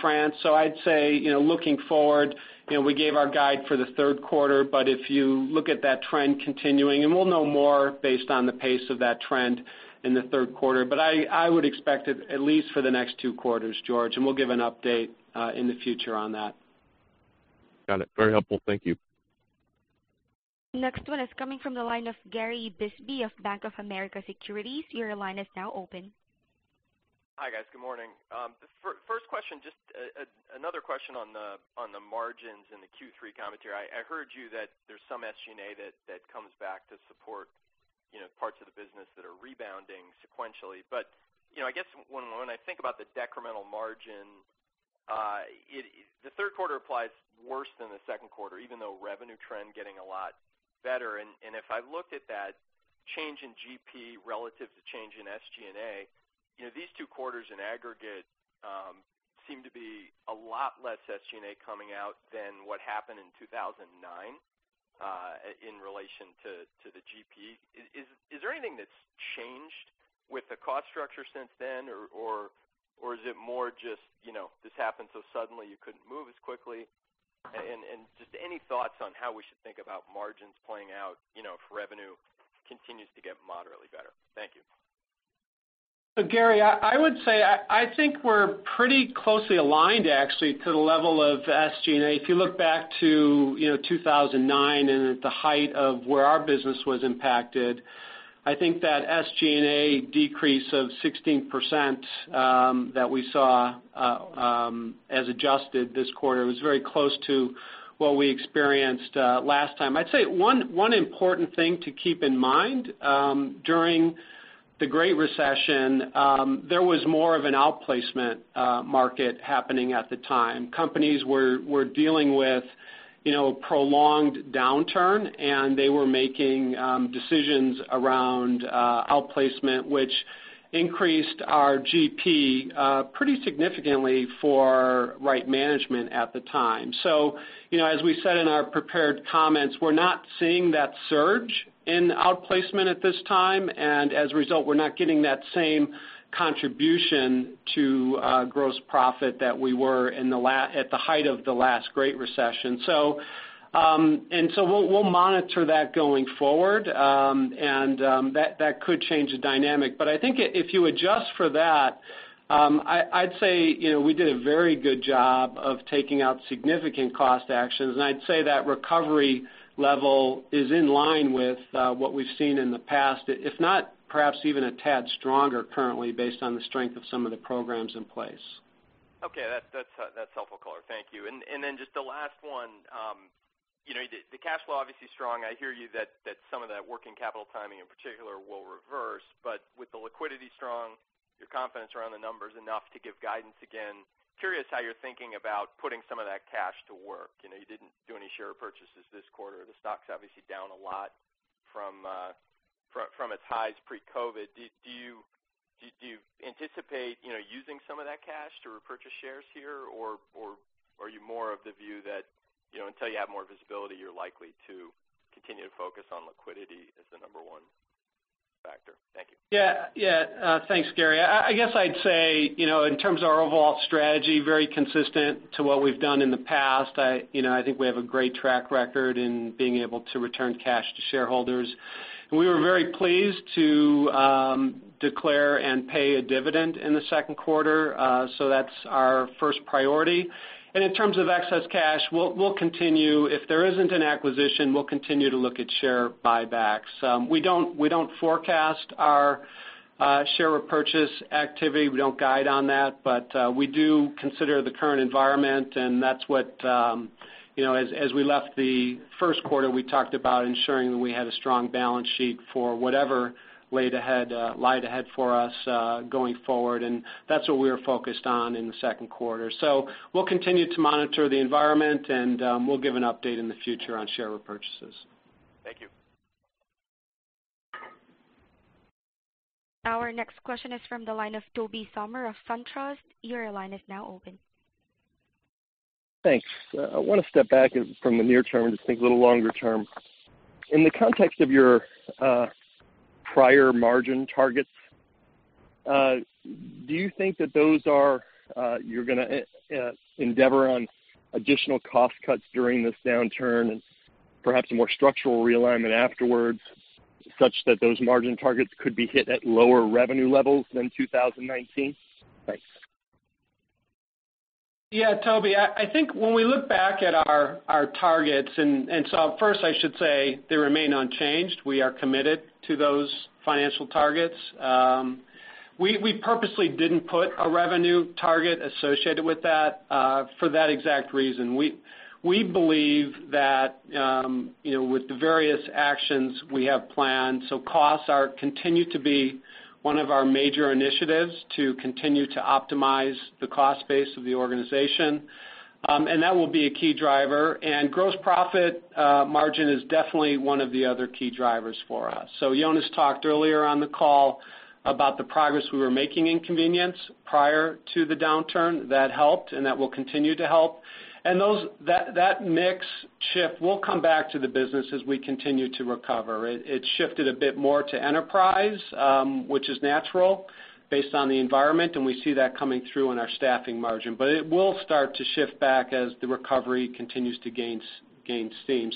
France. I'd say, looking forward, we gave our guide for the third quarter, but if you look at that trend continuing, and we'll know more based on the pace of that trend in the third quarter, but I would expect it at least for the next two quarters, George, and we'll give an update in the future on that. Got it. Very helpful. Thank you. Next one is coming from the line of Gary Bisbee of Bank of America Securities. Your line is now open. Hi, guys. Good morning. First question, just another question on the margins and the Q3 commentary. I heard you that there's some SG&A that comes back to support parts of the business that are rebounding sequentially. I guess when I think about the decremental margin, the third quarter applies worse than the second quarter, even though revenue trend getting a lot better. If I looked at that change in GP relative to change in SG&A, these two quarters in aggregate seem to be a lot less SG&A coming out than what happened in 2009 in relation to the GP. Is there anything that's changed with the cost structure since then? Is it more just, this happened so suddenly you couldn't move as quickly? Just any thoughts on how we should think about margins playing out if revenue continues to get moderately better. Thank you. Gary, I would say, I think we're pretty closely aligned actually to the level of SG&A. If you look back to 2009 and at the height of where our business was impacted, I think that SG&A decrease of 16% that we saw as adjusted this quarter was very close to what we experienced last time. I'd say one important thing to keep in mind, during the Great Recession, there was more of an outplacement market happening at the time. Companies were dealing with a prolonged downturn, and they were making decisions around outplacement, which increased our GP pretty significantly for Right Management at the time. As we said in our prepared comments, we're not seeing that surge in outplacement at this time, and as a result, we're not getting that same contribution to gross profit that we were at the height of the last Great Recession. We'll monitor that going forward, and that could change the dynamic. I think if you adjust for that, I'd say we did a very good job of taking out significant cost actions. I'd say that recovery level is in line with what we've seen in the past, if not, perhaps even a tad stronger currently based on the strength of some of the programs in place. Okay. That's helpful, color. Thank you. Just the last one. The cash flow obviously strong. I hear you that some of that working capital timing in particular will reverse, but with the liquidity strong, your confidence around the numbers enough to give guidance again, curious how you're thinking about putting some of that cash to work. You didn't do any share purchases this quarter. The stock's obviously down a lot from its highs pre-COVID-19. Do you anticipate using some of that cash to repurchase shares here? Are you more of the view that, until you have more visibility, you're likely to continue to focus on liquidity as the number 1 factor? Thank you. Yeah. Thanks, Gary. I guess I'd say, in terms of our overall strategy, very consistent to what we've done in the past. I think we have a great track record in being able to return cash to shareholders. We were very pleased to declare and pay a dividend in the second quarter. That's our first priority. In terms of excess cash, we'll continue. If there isn't an acquisition, we'll continue to look at share buybacks. We don't forecast our share repurchase activity. We don't guide on that. We do consider the current environment, and as we left the first quarter, we talked about ensuring that we had a strong balance sheet for whatever laid ahead for us going forward. That's what we are focused on in the second quarter. We'll continue to monitor the environment, and we'll give an update in the future on share repurchases. Thank you. Our next question is from the line of Tobey Sommer of SunTrust. Your line is now open. Thanks. I want to step back from the near term and just think a little longer term. In the context of your prior margin targets, do you think that you're going to endeavor on additional cost cuts during this downturn and perhaps a more structural realignment afterwards, such that those margin targets could be hit at lower revenue levels than 2019? Thanks. Yeah, Tobey, I think when we look back at our targets, first, I should say they remain unchanged. We are committed to those financial targets. We purposely didn't put a revenue target associated with that for that exact reason. We believe that with the various actions we have planned, costs continue to be one of our major initiatives to continue to optimize the cost base of the organization. That will be a key driver. Gross profit margin is definitely one of the other key drivers for us. Jonas talked earlier on the call about the progress we were making in Manpower prior to the downturn. That helped, and that will continue to help. That mix shift will come back to the business as we continue to recover. It shifted a bit more to enterprise, which is natural based on the environment, and we see that coming through in our staffing margin. It will start to shift back as the recovery continues to gain steam.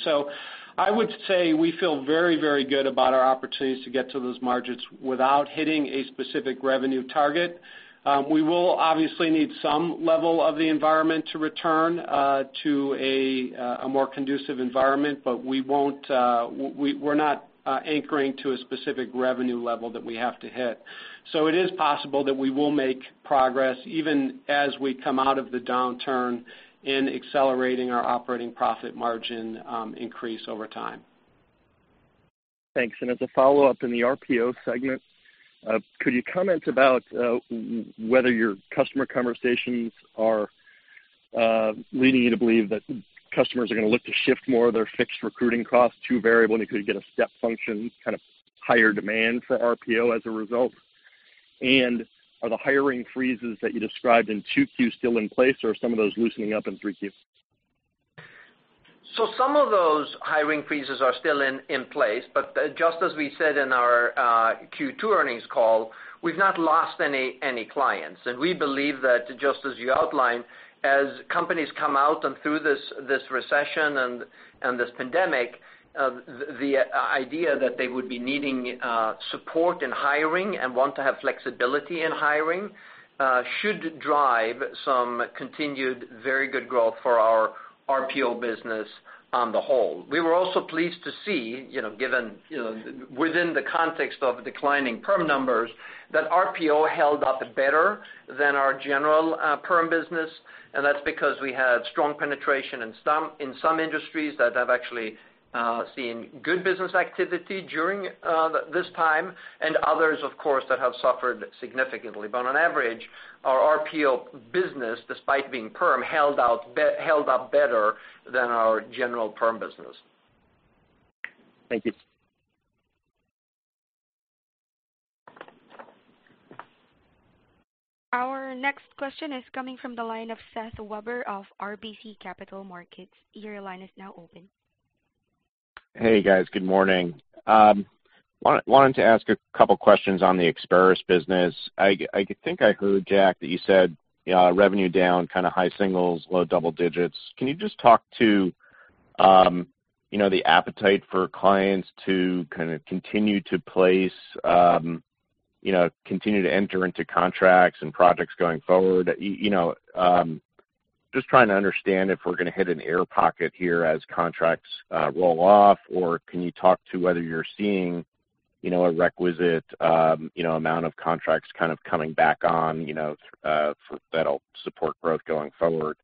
I would say we feel very, very good about our opportunities to get to those margins without hitting a specific revenue target. We will obviously need some level of the environment to return to a more conducive environment. We're not anchoring to a specific revenue level that we have to hit. It is possible that we will make progress even as we come out of the downturn in accelerating our operating profit margin increase over time. Thanks. As a follow-up, in the RPO segment, could you comment about whether your customer conversations are leading you to believe that customers are going to look to shift more of their fixed recruiting costs to variable, and you could get a step function, kind of higher demand for RPO as a result? Are the hiring freezes that you described in 2Q still in place, or are some of those loosening up in 3Q? Some of those hiring freezes are still in place. Just as we said in our Q2 earnings call, we've not lost any clients. We believe that just as you outlined, as companies come out and through this recession and this pandemic, the idea that they would be needing support in hiring and want to have flexibility in hiring should drive some continued very good growth for our RPO business on the whole. We were also pleased to see, within the context of declining perm numbers, that RPO held up better than our general perm business. That's because we had strong penetration in some industries that have actually seen good business activity during this time, and others, of course, that have suffered significantly. On average, our RPO business, despite being perm, held up better than our general perm business. Thank you. Our next question is coming from the line of Seth Weber of RBC Capital Markets. Your line is now open. Hey, guys. Good morning. Wanted to ask a couple questions on the Experis business. I think I heard, Jack, that you said revenue down kind of high singles, low double digits. Can you just talk to the appetite for clients to kind of continue to enter into contracts and projects going forward. Just trying to understand if we're going to hit an air pocket here as contracts roll off, or can you talk to whether you're seeing a requisite amount of contracts kind of coming back on that'll support growth going forward.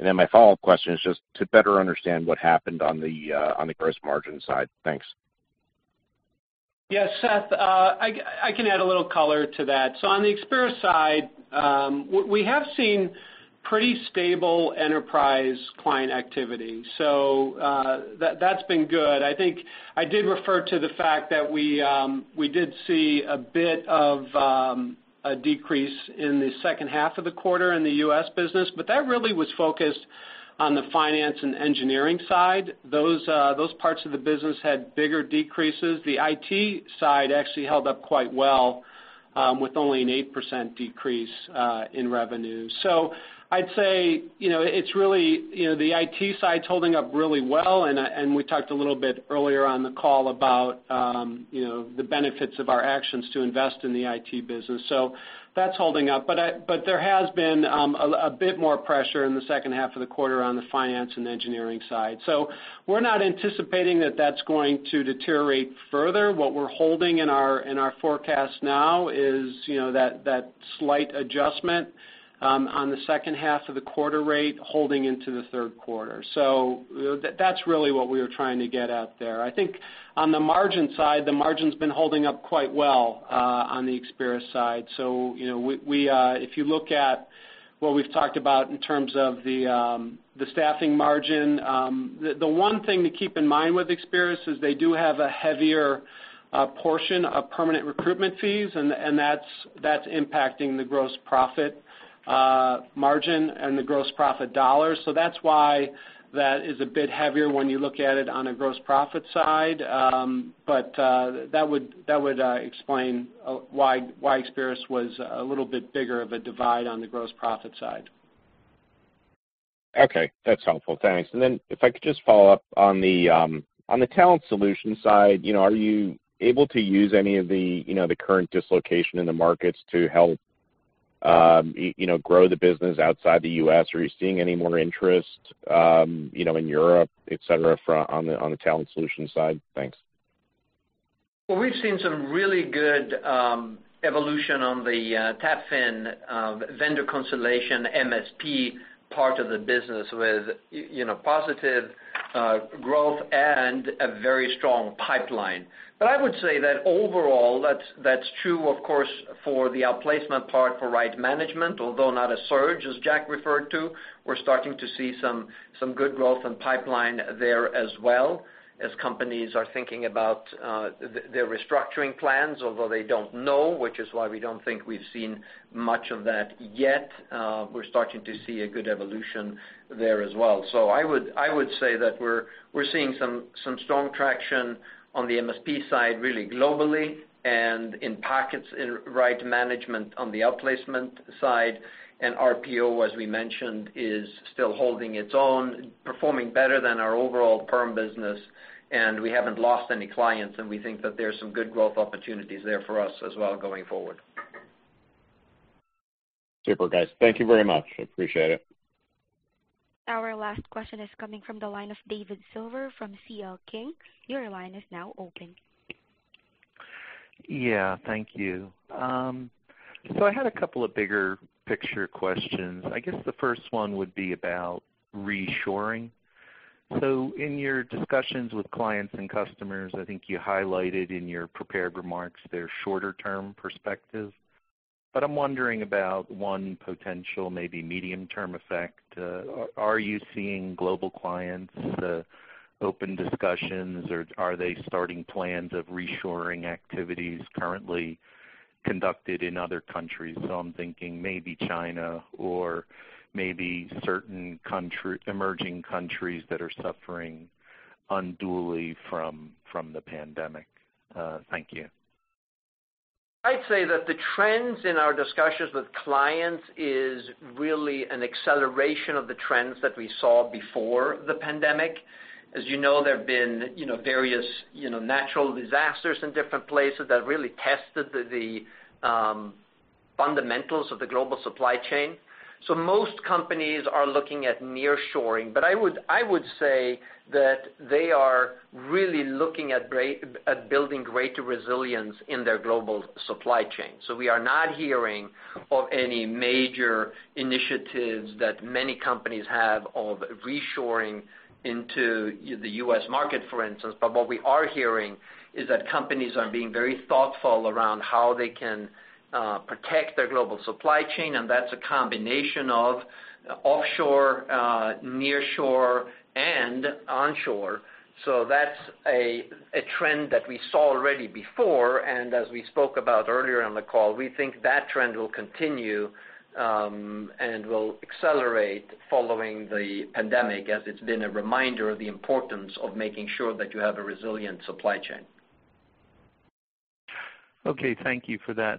My follow-up question is just to better understand what happened on the gross margin side. Thanks. Yes, Seth, I can add a little color to that. On the Experis side, we have seen pretty stable enterprise client activity, so that's been good. I think I did refer to the fact that we did see a bit of a decrease in the second half of the quarter in the U.S. business, that really was focused on the finance and engineering side. Those parts of the business had bigger decreases. The IT side actually held up quite well, with only an 8% decrease in revenue. I'd say, the IT side's holding up really well, and we talked a little bit earlier on the call about the benefits of our actions to invest in the IT business. That's holding up. There has been a bit more pressure in the second half of the quarter on the finance and engineering side. We're not anticipating that that's going to deteriorate further. What we're holding in our forecast now is that slight adjustment on the second half of the quarter rate holding into the third quarter. That's really what we are trying to get at there. I think on the margin side, the margin's been holding up quite well on the Experis side. If you look at what we've talked about in terms of the staffing margin, the one thing to keep in mind with Experis is they do have a heavier portion of permanent recruitment fees, and that's impacting the gross profit margin and the gross profit dollars. That's why that is a bit heavier when you look at it on a gross profit side. That would explain why Experis was a little bit bigger of a divide on the gross profit side. Okay. That's helpful. Thanks. If I could just follow up on the Talent Solutions side, are you able to use any of the current dislocation in the markets to help grow the business outside the U.S.? Are you seeing any more interest in Europe, et cetera, on the Talent Solutions side? Thanks. We've seen some really good evolution on the TAPFIN vendor consolidation MSP part of the business with positive growth and a very strong pipeline. I would say that overall, that's true, of course, for the outplacement part for Right Management, although not a surge, as Jack referred to. We're starting to see some good growth and pipeline there as well as companies are thinking about their restructuring plans. Although they don't know, which is why we don't think we've seen much of that yet. We're starting to see a good evolution there as well. I would say that we're seeing some strong traction on the MSP side, really globally, and in pockets in Right Management on the outplacement side. RPO, as we mentioned, is still holding its own, performing better than our overall perm business, and we haven't lost any clients, and we think that there's some good growth opportunities there for us as well going forward. Super, guys. Thank you very much. I appreciate it. Our last question is coming from the line of David Silver from C.L. King. Your line is now open. Yeah, thank you. I had a couple of bigger picture questions. I guess the first one would be about reshoring. In your discussions with clients and customers, I think you highlighted in your prepared remarks their shorter-term perspective. I'm wondering about one potential, maybe medium-term effect. Are you seeing global clients open discussions, or are they starting plans of reshoring activities currently conducted in other countries? I'm thinking maybe China or maybe certain emerging countries that are suffering unduly from the pandemic. Thank you. I'd say that the trends in our discussions with clients is really an acceleration of the trends that we saw before the pandemic. As you know, there have been various natural disasters in different places that really tested the fundamentals of the global supply chain. Most companies are looking at nearshoring. I would say that they are really looking at building greater resilience in their global supply chain. We are not hearing of any major initiatives that many companies have of reshoring into the U.S. market, for instance. What we are hearing is that companies are being very thoughtful around how they can protect their global supply chain, and that's a combination of offshore, nearshore, and onshore. That's a trend that we saw already before, and as we spoke about earlier on the call, we think that trend will continue and will accelerate following the pandemic, as it's been a reminder of the importance of making sure that you have a resilient supply chain. Okay, thank you for that.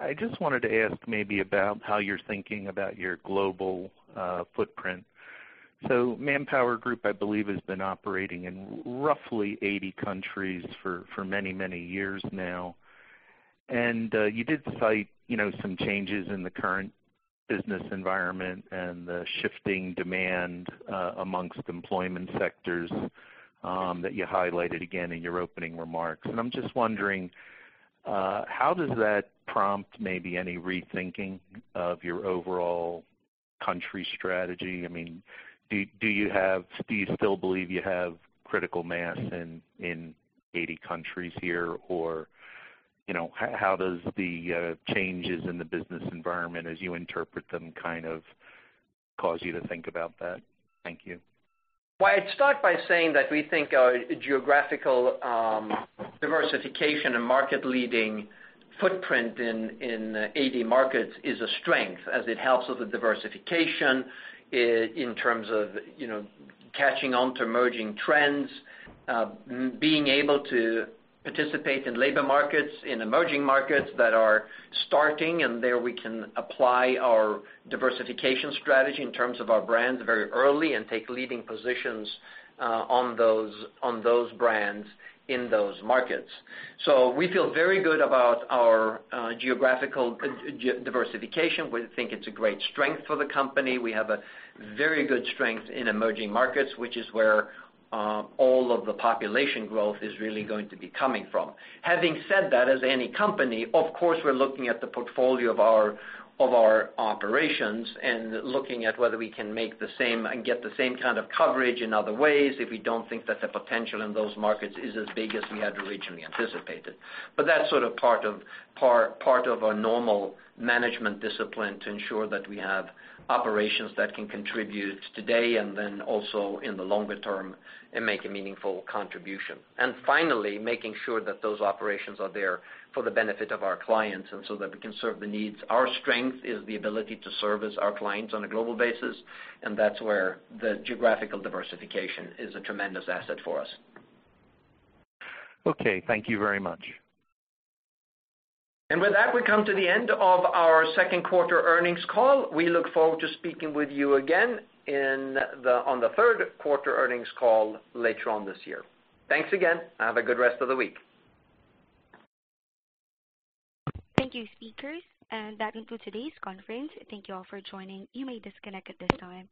I just wanted to ask maybe about how you're thinking about your global footprint. ManpowerGroup, I believe, has been operating in roughly 80 countries for many, many years now. You did cite some changes in the current business environment and the shifting demand amongst employment sectors that you highlighted again in your opening remarks. I'm just wondering, how does that prompt maybe any rethinking of your overall country strategy? Do you still believe you have critical mass in 80 countries here? How does the changes in the business environment, as you interpret them, kind of cause you to think about that? Thank you. I'd start by saying that we think our geographical diversification and market-leading footprint in 80 markets is a strength as it helps with the diversification in terms of catching on to emerging trends, being able to participate in labor markets, in emerging markets that are starting, and there we can apply our diversification strategy in terms of our brands very early and take leading positions on those brands in those markets. We feel very good about our geographical diversification. We think it's a great strength for the company. We have a very good strength in emerging markets, which is where all of the population growth is really going to be coming from. Having said that, as any company, of course, we're looking at the portfolio of our operations and looking at whether we can make the same and get the same kind of coverage in other ways if we don't think that the potential in those markets is as big as we had originally anticipated. That's sort of part of our normal management discipline to ensure that we have operations that can contribute today and then also in the longer term and make a meaningful contribution. Finally, making sure that those operations are there for the benefit of our clients and so that we can serve the needs. Our strength is the ability to service our clients on a global basis, and that's where the geographical diversification is a tremendous asset for us. Okay. Thank you very much. With that, we come to the end of our second quarter earnings call. We look forward to speaking with you again on the third quarter earnings call later on this year. Thanks again, and have a good rest of the week. Thank you, speakers. That concludes today's conference. Thank you all for joining. You may disconnect at this time.